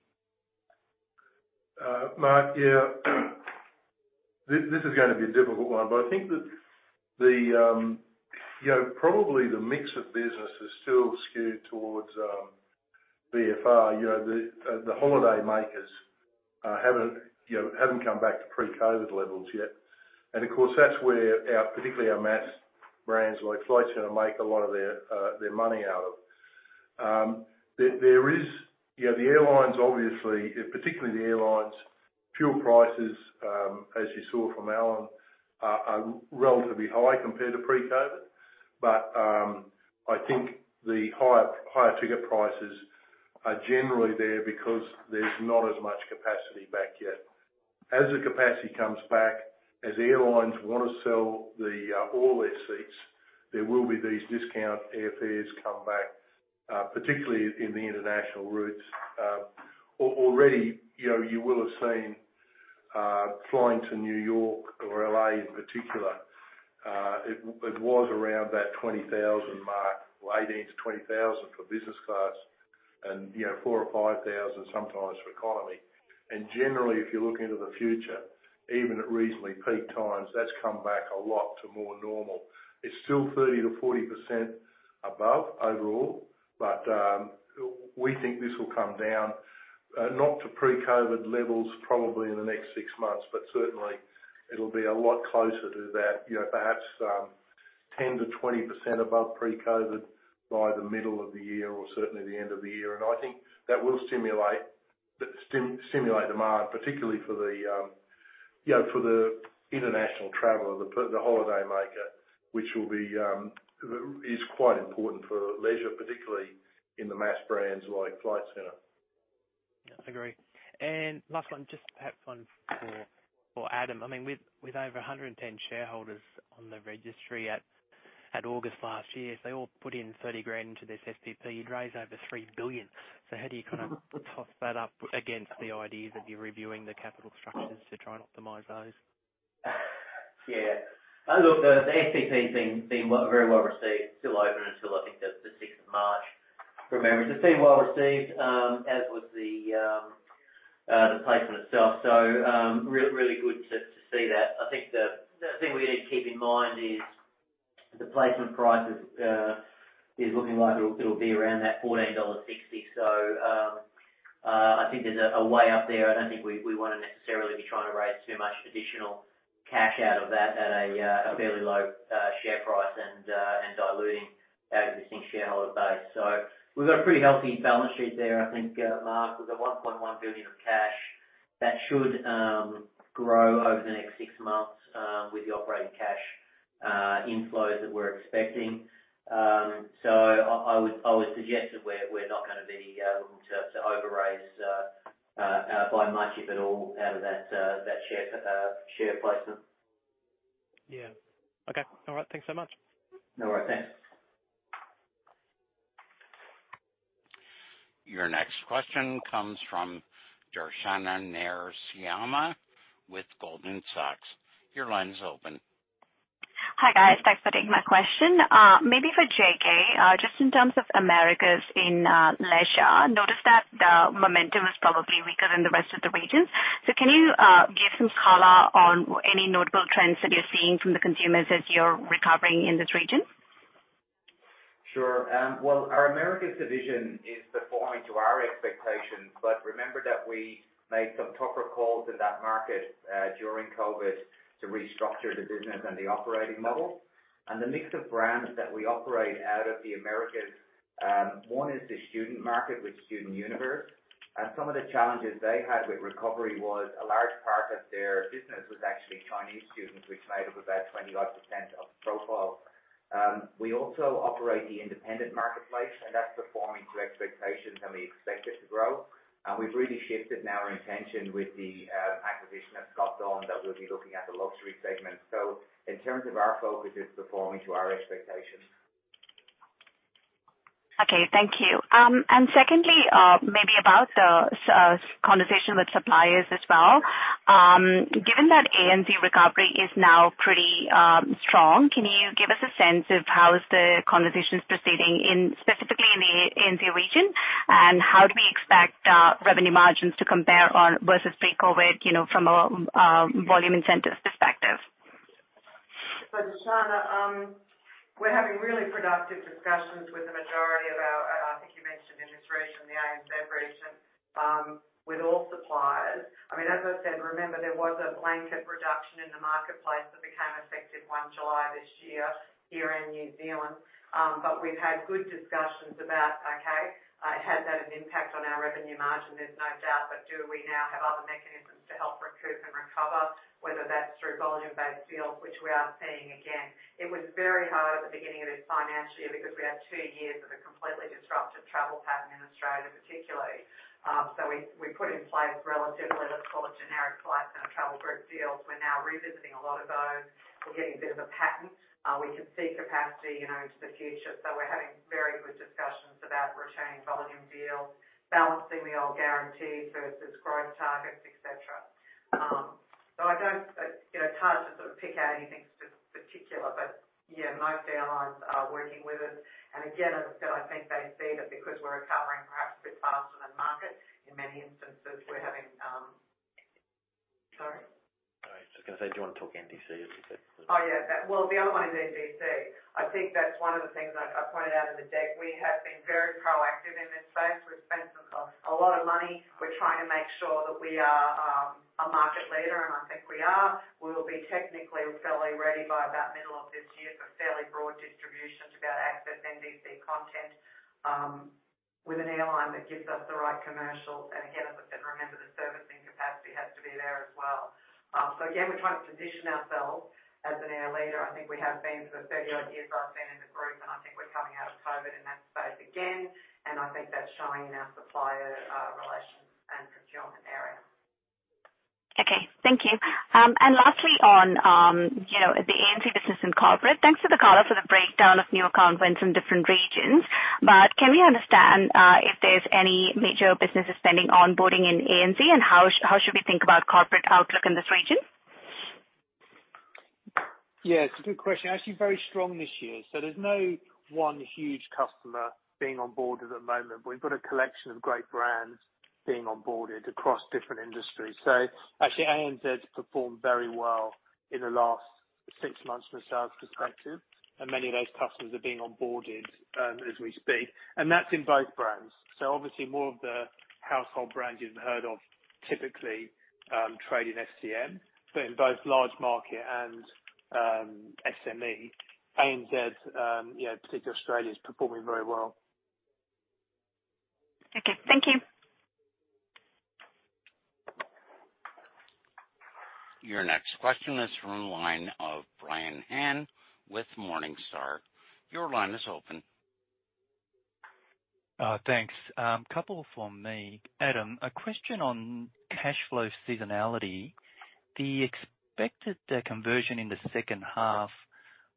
his is gonna be a difficult one, but I think that the, you know, probably the mix of business is still skewed towards VFR. You know, the holidaymakers haven't, you know, haven't come back to pre-COVID levels yet. And of course, that's where our, particularly our mass brands like Flight Centre make a lot of their money out of. There, there is. You know, the airlines obviously, particularly the airlines fuel prices, as you saw from Alan, are relatively high compared to pre-COVID. But I think the higher ticket prices are generally there because there's not as much capacity back yet. As the capacity comes back, as airlines want to sell all their seats, there will be these discount airfares come back, particularly in the international routes. Already, you know, you will have seen, flying to New York or L.A. in particular, it was around that 20,000 mark or 18,000-20,000 for business class and, you know, 4,000 or 5,000 sometimes for economy. Generally, if you look into the future, even at reasonably peak times, that's come back a lot to more normal. It's still 30%-40% above overall, but we think this will come down, not to pre-COVID levels probably in the next six months, but certainly it'll be a lot closer to that, you know, perhaps 10%-20% above pre-COVID by the middle of the year or certainly the end of the year. I think that will stimulate demand, particularly for the, you know, for the international traveler, the holidaymaker, which will be, is quite important for leisure, particularly in the mass brands like Flight Centre. Yeah I agree. Last one, just perhaps one for Adam. I mean, with over 110 shareholders on the registry at August last year, if they all put in 30 grand into this SPP, you'd raise over 3 billion. How do you kind of toss that up against the idea that you're reviewing the capital structures to try and optimize those? Look, the SPP's very well received. It's still open until the 6th of March, from memory. It's been well received, as was the placement itself. Really good to see that. The thing we need to keep in mind is the placement price is looking like it'll be around that 14.60 dollar. There's a way up there. I don't think we wanna necessarily be trying to raise too much additional cash out of that at a fairly low share price and diluting our existing shareholder base. We've got a pretty healthy balance sheet there, Mark. We've got 1.1 billion of cash that should grow over the next 6 months with the operating cash inflows that we're expecting. I would suggest that we're not gonna be looking to over raise by much, if at all, out of that share placement. Yeah okay. All right. Thanks so much. No worries. Thanks. Your next question comes from Darshana Nair Syama with Goldman Sachs. Your line's open. Hi guys. Thanks for taking my question. Maybe for JK, just in terms of Americas in leisure, I noticed that the momentum is probably weaker than the rest of the regions. Can you give some color on any notable trends that you're seeing from the consumers as you're recovering in this region? Sure. Our Americas division is performing to our expectations. Remember that we made some tougher calls in that market during COVID to restructure the business and the operating model. The mix of brands that we operate out of the Americas, one is the student market with StudentUniverse. Some of the challenges they had with recovery was a large part of their business was actually Chinese students, which made up about 25% of the profile. We also operate the independent marketplace. That's performing to expectations, and we expect it to grow. We've really shifted now our intention with the acquisition of Scott Dunn, that we'll be looking at the luxury segment. In terms of our focus, it's performing to our expectations. Okay thank you. Secondly, maybe about the conversation with suppliers as well. Given that ANZ recovery is now pretty strong, can you give us a sense of how is the conversations proceeding in specifically in the ANZ region, and how do we expect revenue margins to compare on versus pre-COVID, you know, from a volume incentive perspective? Darshana, we're having really productive discussions with the majority of our, I think you mentioned in your intro, the ANZ region, with all suppliers. I mean, as I said, remember, there was a blanket reduction in the marketplace that became effective one July this year here in New Zealand. We've had good discussions about, okay, it has had an impact on our revenue margin, there's no doubt. Do we now have other mechanisms to help recoup and recover, whether that's through volume-based deals, which we are seeing again. It was very hard at the beginning of this financial year because we had two years of a completely disruptive travel pattern in Australia, particularly. We put in place relatively, let's call it, generic flights and travel group deals. We're now revisiting a lot of those. We're getting a bit of a pattern. We can see capacity, you know, into the future. We're having very good discussions about retaining volume deals, balancing the old guarantees versus growth targets, et cetera. I don't, you know, it's hard to sort of pick out anything particular, but yeah, most airlines are working with us. Again, as I said, I think they see that because we're recovering perhaps a bit faster than market in many instances we're having. Sorry. Sorry. I was just gonna say, do you wanna talk NDC as you said- Oh yeah. Well, the other one is NDC. I think that's one of the things I pointed out in the deck. We have been very proactive in this space. We've spent a lot of money. We're trying to make sure that we are a market leader, and I think we are. We will be technically fairly ready by about middle of this year for fairly broad distribution to be able to access NDC content with an airline that gives us the right commercials. Again, as I said, remember, the servicing capacity has to be there as well. Again, we're trying to position ourselves as an air leader. I think we have been for the 30-odd years I've been in the group, and I think we're coming out of COVID in that space again, and I think that's showing in our supplier, relations and procurement area. Okay. Thank you. Lastly on, you know, the ANZ business and corporate. Thanks for the color for the breakdown of new account wins in different regions. Can we understand if there's any major business spending onboarding in ANZ, and how should we think about corporate outlook in this region? It's a good question. Actually, very strong this year. There's no one huge customer being onboarded at the moment. We've got a collection of great brands being onboarded across different industries. Actually, ANZ's performed very well in the last 6 months from a sales perspective, and many of those customers are being onboarded as we speak. That's in both brands. Obviously, more of the household brands you've heard of typically trade in SCM, but in both large market and SME, ANZ, you know, particularly Australia, is performing very well. Okay. Thank you. Your next question is from the line of Brian Han with Morningstar. Your line is open. Thanks. Couple from me. Adam, a question on cash flow seasonality. The expected conversion in the second half,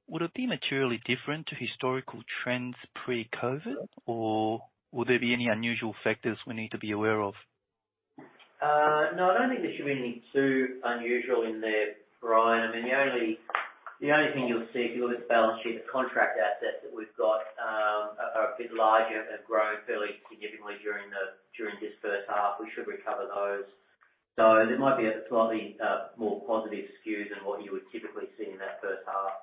would it be materially different to historical trends pre-COVID, or will there be any unusual factors we need to be aware of? No, I don't think there should be anything too unusual in there, Brian. I mean, the only, the only thing you'll see if you look at the balance sheet, the contract assets that we've got, are a bit larger and have grown fairly significantly during the, during this first half. We should recover those. There might be a slightly more positive skew than what you would typically see in that first half.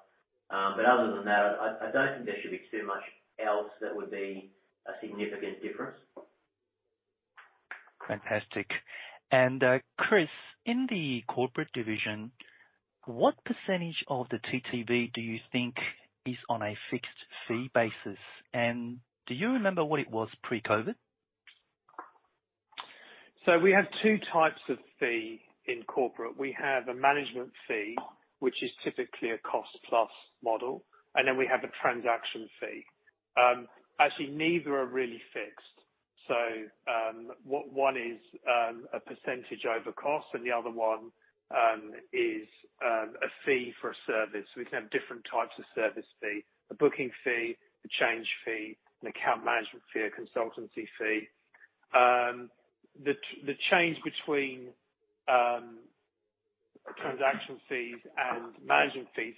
Other than that, I don't think there should be too much else that would be a significant difference. Fantastic. Chris, in the corporate division, what % of the TTV do you think is on a fixed fee basis? Do you remember what it was pre-COVID? We have two types of fee in corporate. We have a management fee, which is typically a cost-plus model, and then we have a transaction fee. Actually, neither are really fixed. One is a percentage over cost, and the other one is a fee for a service. We can have different types of service fee, a booking fee, a change fee, an account management fee, a consultancy fee. The change between Transaction fees and management fees.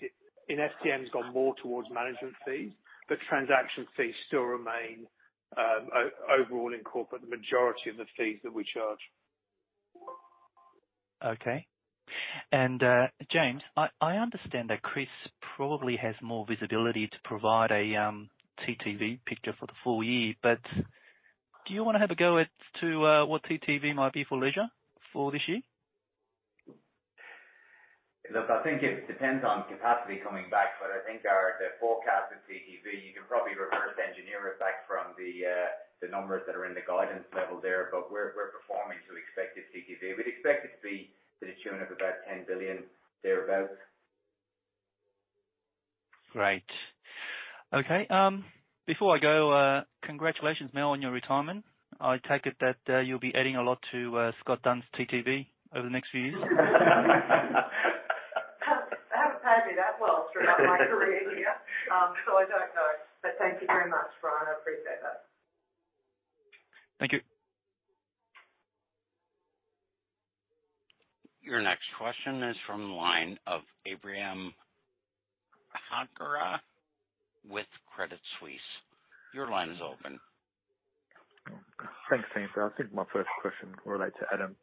In SCM's gone more towards management fees, but transaction fees still remain overall in corporate, the majority of the fees that we charge. Okay. James, I understand that Chris probably has more visibility to provide a TTV picture for the full year. Do you wanna have a go at what TTV might be for leisure for this year? Look, I think it depends on capacity coming back, but I think our the forecast of TTV, you can probably reverse engineer it back from the numbers that are in the guidance level there. We're performing to expected TTV. We'd expect it to be to the tune of about 10 billion, thereabout. Great. Okay, before I go, congratulations Mel, on your retirement. I take it that you'll be adding a lot to Scott Dunn's TTV over the next few years. They haven't paid me that well throughout my career here. I don't know. Thank you very much, Brian. I appreciate that. Thank you. Your next question is from the line of Abraham Akra with Credit Suisse. Your line is open. Thanks. I think my first question relates to Adam.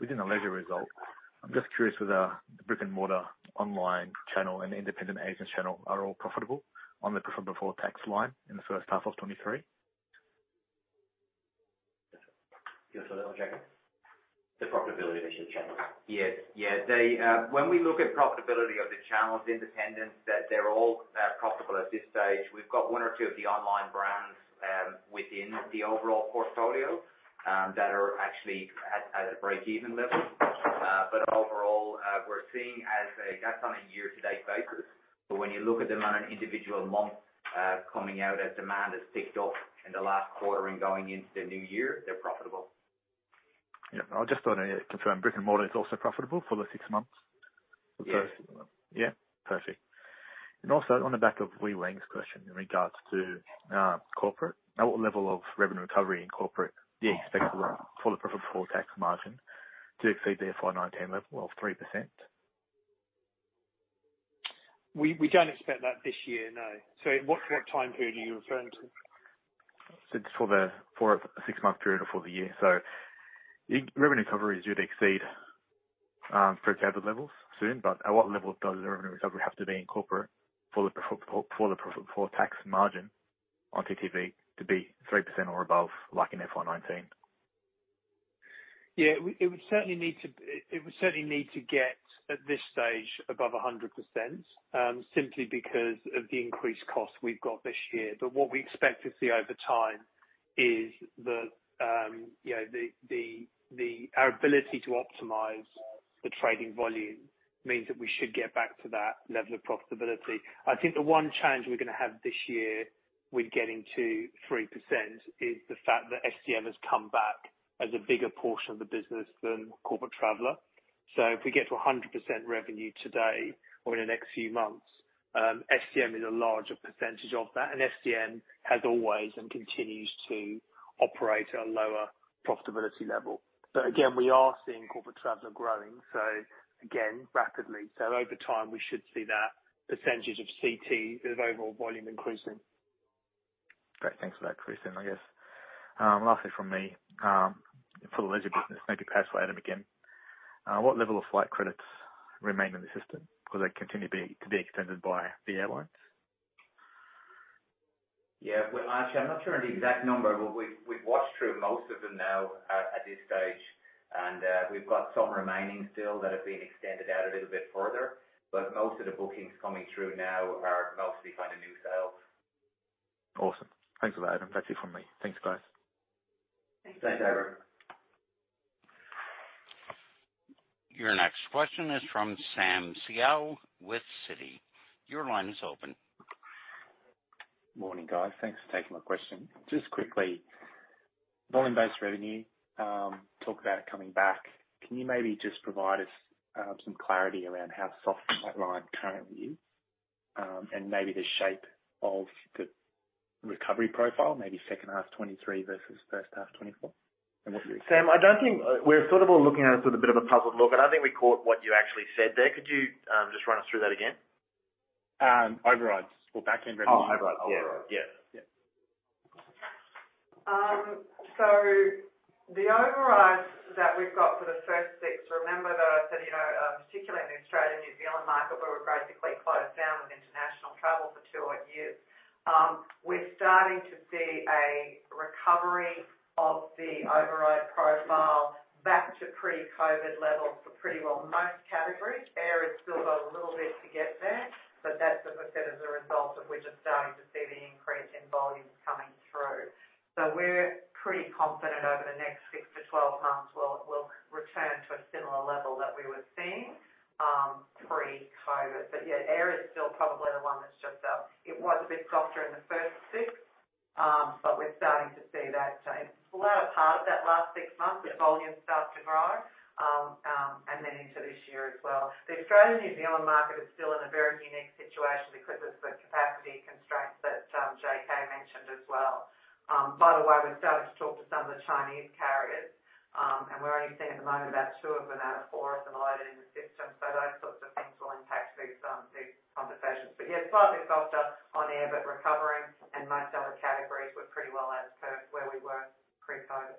Within the leisure result, I'm just curious whether the brick-and-mortar online channel and independent agents channel are all profitable on the profit before tax line in the first half of 2023? You want to take that one, JK? The profitability of each channel? Yes. Yeah. They. When we look at profitability of the channels, independent, that they're all profitable at this stage. We've got one or two of the online brands, within the overall portfolio, that are actually at a break-even level. Overall, that's on a year-to-date basis. When you look at them on an individual month, coming out as demand has picked up in the last quarter and going into the new year, they're profitable. Yeah. I just want to confirm. Brick-and-mortar is also profitable for the six months? Yes. Yeah. Perfect. Also on the back of Wei-Weng Chen's question in regards to corporate. At what level of revenue recovery in corporate do you expect for the profit before tax margin to exceed the FY19 level of 3%? We don't expect that this year. No. What, what time period are you referring to? Since for the four or six-month period or for the year. Revenue recovery is due to exceed pre-COVID levels soon. At what level does the revenue recovery have to be in corporate for the profit before tax margin on TTV to be 3% or above, like in FY19? Yeah. We, it would certainly need to get, at this stage, above 100%, simply because of the increased costs we've got this year. What we expect to see over time is that, you know, our ability to optimize the trading volume means that we should get back to that level of profitability. I think the one challenge we're gonna have this year with getting to 3% is the fact that SCM has come back as a bigger portion of the business than Corporate Traveller. If we get to 100% revenue today or in the next few months, SCM is a larger percentage of that, and SCM has always and continues to operate at a lower profitability level. Again, we are seeing Corporate Traveller growing rapidly. Over time, we should see that percentage of CT with overall volume increasing. Great. Thanks for that Chris. I guess, lastly from me, for the leisure business, maybe pass to Adam again. What level of flight credits remain in the system? Will they continue to be extended by the airlines? Yeah. Well, actually, I'm not sure on the exact number. We've watched through most of them now at this stage. We've got some remaining still that have been extended out a little bit further. Most of the bookings coming through now are mostly kind of new sales. Awesome. Thanks for that, Adam. That's it from me. Thanks guys. Thanks. Thanks Abraham. Your next question is from Sam Seow with Citi. Your line is open. Morning guys. Thanks for taking my question. Just quickly, volume-based revenue, talk about it coming back. Can you maybe just provide us some clarity around how soft that line currently is, and maybe the shape of the recovery profile, maybe second half 2023 versus first half 2024? Sam, I don't think. We're sort of all looking at it with a bit of a puzzled look. I don't think we caught what you actually said there. Could you just run us through that again? Overrides or backend revenue. Oh, overrides. Overrides. Yeah. Yeah. The overrides that we've got for the first six, remember that, particularly in the Australia-New Zealand market, where we're basically closed down with international travel for two odd years, we're starting to see a recovery of the override profile back to pre-COVID levels for pretty well most categories. Air has still got a little bit to get there, but that's, as I said, as a result of we're just starting to see the increase in volumes coming through. We're pretty confident over the next 6-12 months we'll return to a similar level that we were seeing pre-COVID. Yeah, air is still probably the one that's just, it was a bit softer in the first 6, but we're starting to see that change. The latter part of that last six months, the volumes start to grow, and then into this year as well. The Australia-New Zealand market is still in a very unique situation because of the capacity constraints that JK mentioned as well. By the way, we're starting to talk to some of the Chinese carriers. We're seeing at the moment about two of them out of four are similar in the system. Those sorts of things will impact these conversations. Yeah, slightly softer on air, but recovering, and most other categories were pretty well as per where we were pre-COVID.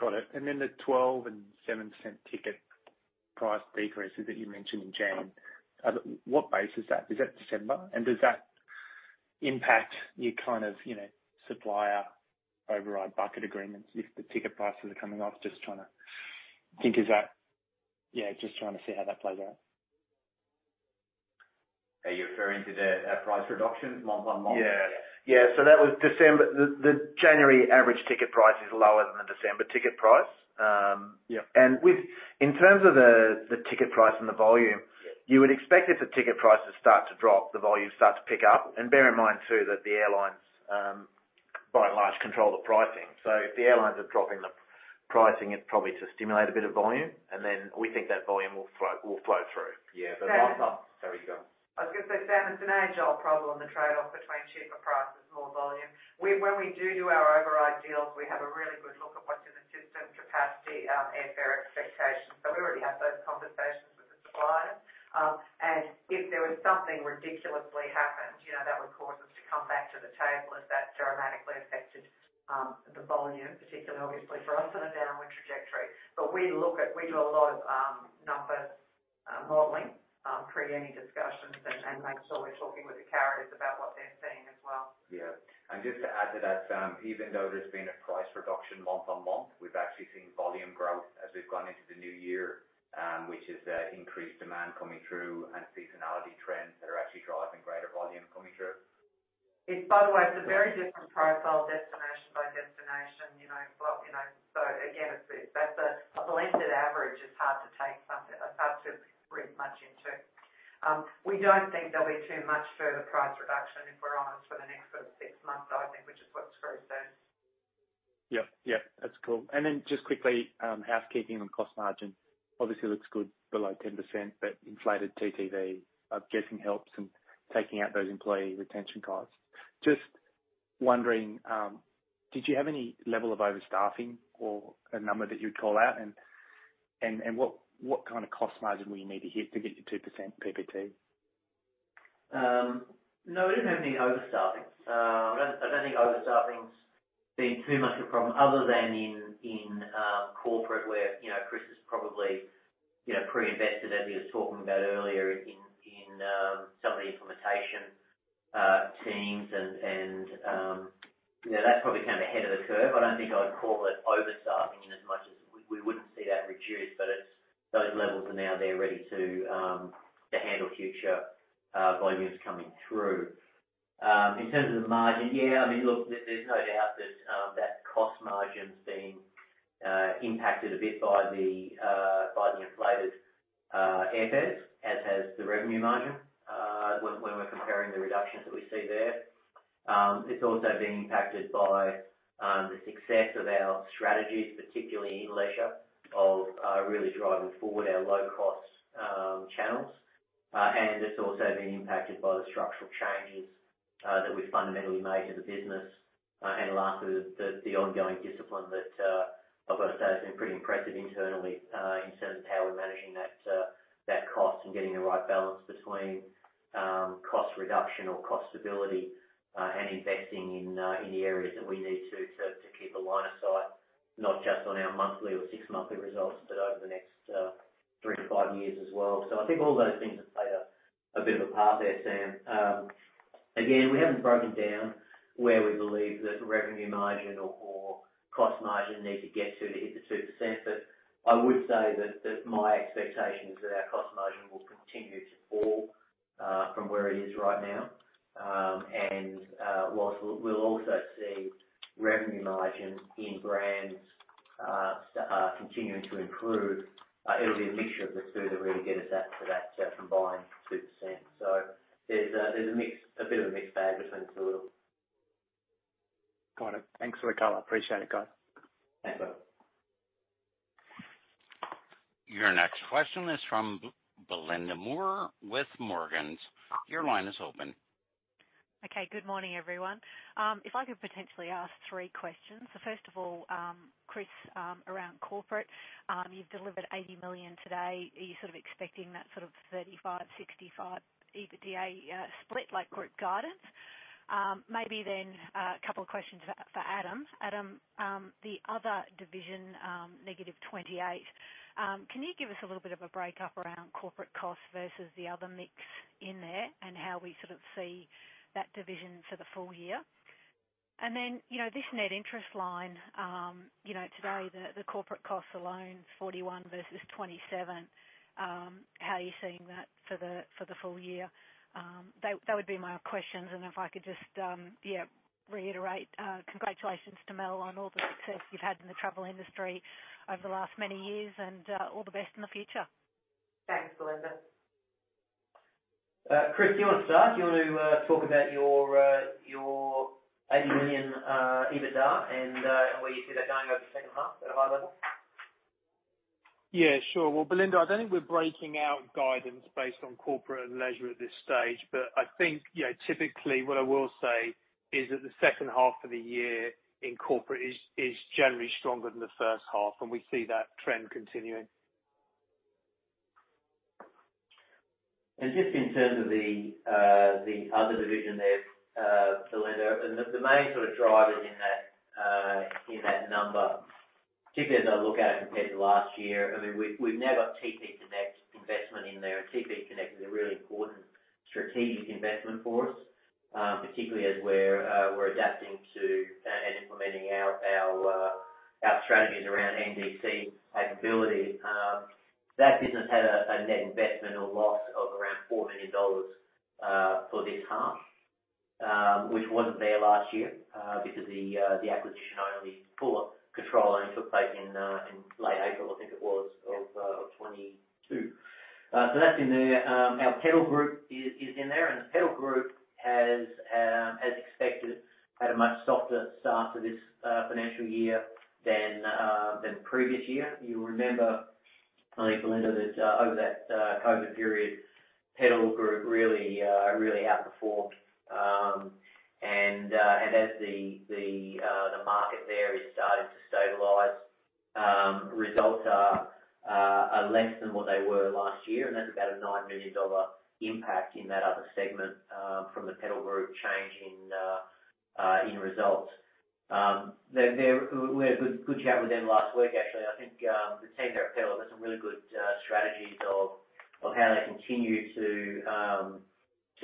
Got it. Then the 0.12 and 0.07 ticket price decreases that you mentioned in January. What base is that? Is that December? Does that impact your kind of, you know, supplier override bucket agreements if the ticket prices are coming off? Just trying to think, is that? Just trying to see how that plays out. Are you referring to our price reduction month-over-month? Yeah. Yeah. That was December. The January average ticket price is lower than the December ticket price. Yeah. In terms of the ticket price and the volume, you would expect if the ticket prices start to drop, the volume starts to pick up. Bear in mind, too, that the airlines, by and large, control the pricing. If the airlines are dropping the pricing, it's probably to stimulate a bit of volume, we think that volume will flow through. Yeah. last time- Sorry, go on. I was gonna say, Sam, it's an age-old problem, the trade-off between cheaper prices, more volume. When we do our override deals, we have a really good look at what's in the system, capacity, airfare expectations. We already have those conversations with the suppliers. If there was something ridiculously happened, you know, that would cause us to come back to the table if that dramatically affected the volume, particularly obviously for us on a downward trajectory. We do a lot of, number, modeling, pre any discussions and make sure we're talking with the carriers about what they're seeing as well. Yeah. Just to add to that, Sam, even though there's been a price reduction month-on-month, we've actually seen volume growth as we've gone into the new year, which is increased demand coming through and seasonality trends that are actually driving greater volume coming through. It's, by the way, it's a very different profile destination by destination, you know, you know. Again, that's a blended average. It's hard to read much into. We don't think there'll be too much further price reduction if we're honest, for the next sort of six months, I think, which is what's very soon. Yeah. Yeah. That's cool. Then just quickly, housekeeping on cost margin obviously looks good below 10%, but inflated TTV, I'm guessing, helps in taking out those employee retention costs. Just wondering, did you have any level of overstaffing or a number that you'd call out? What kind of cost margin will you need to hit to get your 2% PPT? No, we didn't have any overstaffing. I don't think overstaffing's been too much a problem other than in corporate where, you know, Chris has probably, you know, pre-invested, as he was talking about earlier in some of the implementation teams and that's probably kind of ahead of the curve. I don't think I'd call it overstaffing in as much as we wouldn't see that reduced, but it's those levels are now there ready to handle future volumes coming through. In terms of the margin, I mean, look, there's no doubt that cost margin's being impacted a bit by the inflated airfares, as has the revenue margin when we're comparing the reductions that we see there. It's also been impacted by the success of our strategies, particularly in leisure of really driving forward our low-cost channels. It's also been impacted by the structural changes that we've fundamentally made to the business. Lastly, the ongoing discipline that I've got to say has been pretty impressive internally, in terms of how we're managing that cost and getting the right balance between cost reduction or cost stability, and investing in the areas that we need to keep a line of sight, not just on our monthly or six-monthly results, but over the next three-five years as well. I think all those things have played a bit of a part there, Sam. Again, we haven't broken down where we believe that the revenue margin or cost margin need to get to to hit the 2%. I would say that my expectation is that our cost margin will continue to fall from where it is right now. Whilst we'll also see revenue margin in brands continuing to improve, it'll be a mixture of the two that really get us to that combined 2%. There's a mix, a bit of a mixed bag between the two. Got it. Thanks for the color. Appreciate it, guys. No problem. Your next question is from Belinda Moore with Morgans. Your line is open. Okay. Good morning everyone. If I could potentially ask three questions. First of all, Chris, around corporate, you've delivered 80 million today. Are you sort of expecting that sort of 35%-65% EBITDA split like group guidance? Maybe then a couple of questions for Adam. Adam, the other division, negative 28, can you give us a little bit of a break up around corporate costs versus the other mix in there and how we sort of see that division for the full year? Then, you know, this net interest line, you know, today the corporate costs alone, 41 versus 27, how are you seeing that for the full year? That, that would be my questions. If I could just, yeah, reiterate, congratulations to Mel on all the success you've had in the travel industry over the last many years, and all the best in the future. Thanks Belinda. Chris, do you wanna start? Do you want to talk about your 80 million EBITDA and where you see that going over the second half at a high level? Yeah, sure. Well Belinda, I don't think we're breaking out guidance based on corporate and leisure at this stage. I think, you know, typically what I will say is that the second half of the year in corporate is generally stronger than the first half. We see that trend continuing. Just in terms of the other division there, Belinda, and the main sort of drivers in that number, particularly as I look at it compared to last year, I mean, we've now got TPConnect investment in there. TPConnect is a really important strategic investment for us, particularly as we're adapting to and implementing our strategies around NDC capability. That business had a net investment or loss of around 4 million dollars for this half, which wasn't there last year, because the acquisition full control only took place in late April, I think it was, of 2022. That's in there. Our Pedal Group is in there. The Pedal Group has, as expected, had a much softer start to this financial year than previous year. You'll remember, I think, Belinda, that over that COVID period, Pedal Group really outperformed. As the market there has started to stabilize, results are less than what they were last year. That's about an 9 million dollar impact in that other segment from the Pedal Group change in results. We had a good chat with them last week actually. I think the team there at Pedal got some really good strategies of how they continue to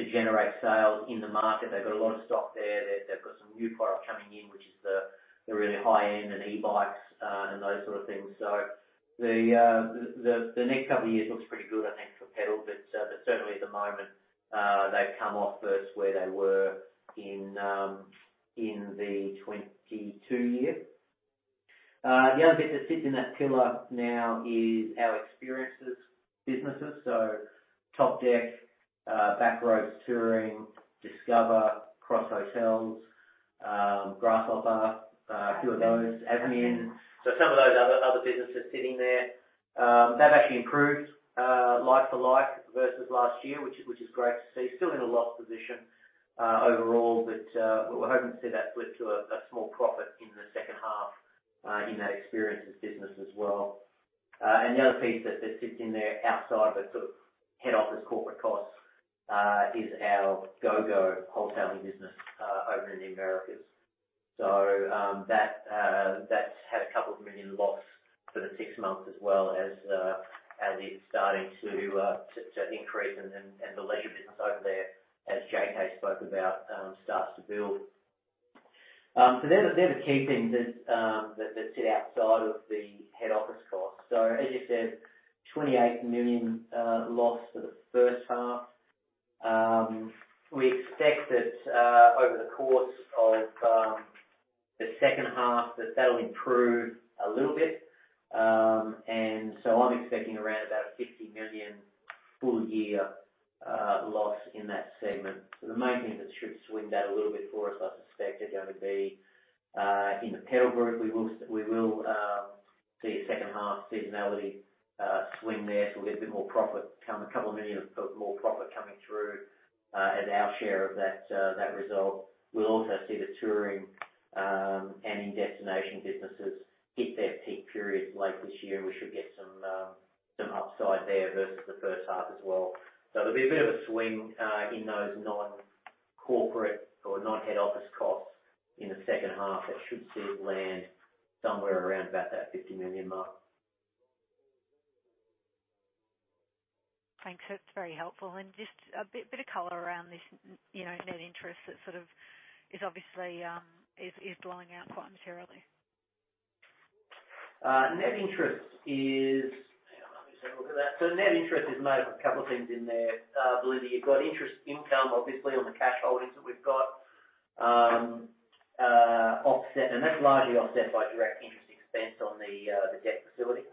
generate sales in the market. They've got a lot of stock there. They've got some new product coming in, which is the really high-end and e-bikes and those sort of things. The next couple of years looks pretty good, I think, for Pedal. Certainly at the moment, they've come off first where they were in the 2022 year. The other bit that sits in that pillar now is our experiences businesses. Topdeck, Back-Roads Touring, Discova, Cross Hotels, Grasshopper, a few of those, AVMIN. Some of those other businesses sitting there, they've actually improved like for like versus last year, which is great to see. Still in a loss position overall, but we're hoping to see that flip to a small profit in the second half in that experiences business as well. The other piece that sits in there outside of the sort of head office corporate costs is our GOGO wholesaling business over in the Americas. That's had a couple of million loss for the six months as it's starting to increase and the leisure business over there, as JK spoke about, starts to build. They're the key things that sit outside of the head office costs. As you said, 28 million loss for the first half. We expect that over the course of the second half, that'll improve a little bit. I'm expecting around about an 50 million full year loss in that segment. The main things that should swing that a little bit for us, I suspect, are gonna be in the Pedal Group. We will see a second half seasonality swing there. We'll get a bit more profit 2 million of more profit coming through, as our share of that result. We'll also see the touring and in-destination businesses hit their peak period late this year. We should get some upside there versus the first half as well. There'll be a bit of a swing in those non-corporate or non-head office costs in the second half that should see it land somewhere around about that 50 million mark. Thanks. That's very helpful. Just a bit of color around this, you know, net interest that sort of is obviously blowing out quite materially. Hang on. Let me just have a look at that. Net interest is made up of a couple of things in there, Belinda. You've got interest income, obviously, on the cash holdings that we've got. That's largely offset by direct interest expense on the debt facility.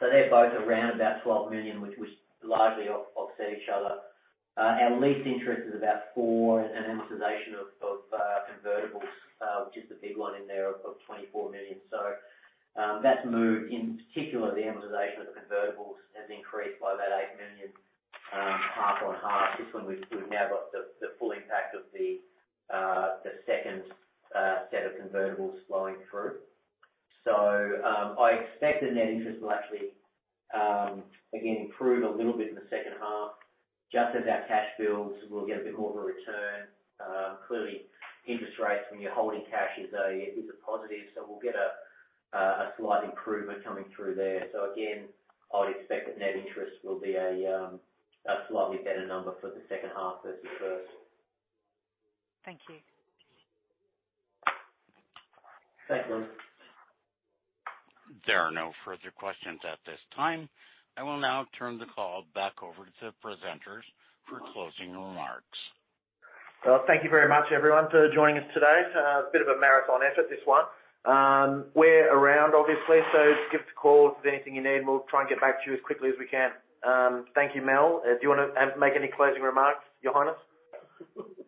They're both around about 12 million, which largely offset each other. Our lease interest is about 4 million, and amortization of convertibles, which is the big one in there of 24 million. That move, in particular the amortization of the convertibles, has increased by about 8 million half on half. This one we've now got the full impact of the second set of convertibles flowing through. I expect the net interest will actually, again, improve a little bit in the second half. Just as our cash builds, we'll get a bit more of a return. Clearly interest rates when you're holding cash is a positive, so we'll get a slight improvement coming through there. Again, I would expect that net interest will be a slightly better number for the second half versus first. Thank you. Thanks Belinda. There are no further questions at this time. I will now turn the call back over to presenters for closing remarks. Thank you very much everyone for joining us today. A bit of a marathon effort, this one. We're around obviously, give us a call if there's anything you need. We'll try and get back to you as quickly as we can. Thank you, Mel. Do you wanna make any closing remarks, Your Highness?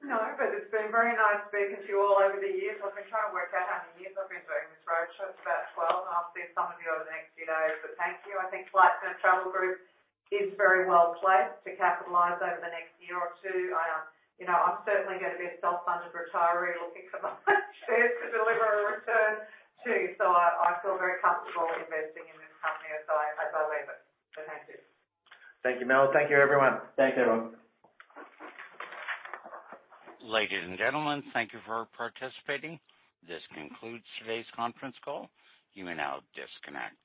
No, but it's been very nice speaking to you all over the years. I've been trying to work out how many years I've been doing this roadshow. It's about 12. I'll see some of you over the next few days, but thank you. I think Flight Centre Travel Group is very well placed to capitalize over the next year or two. I, you know, I'm certainly gonna be a self-funded retiree looking for my shares to deliver a return too. I feel very comfortable investing in this company as I leave it. Thank you. Thank you, Mel. Thank you, everyone. Thanks everyone. Ladies and gentlemen, thank you for participating. This concludes today's conference call. You may now disconnect.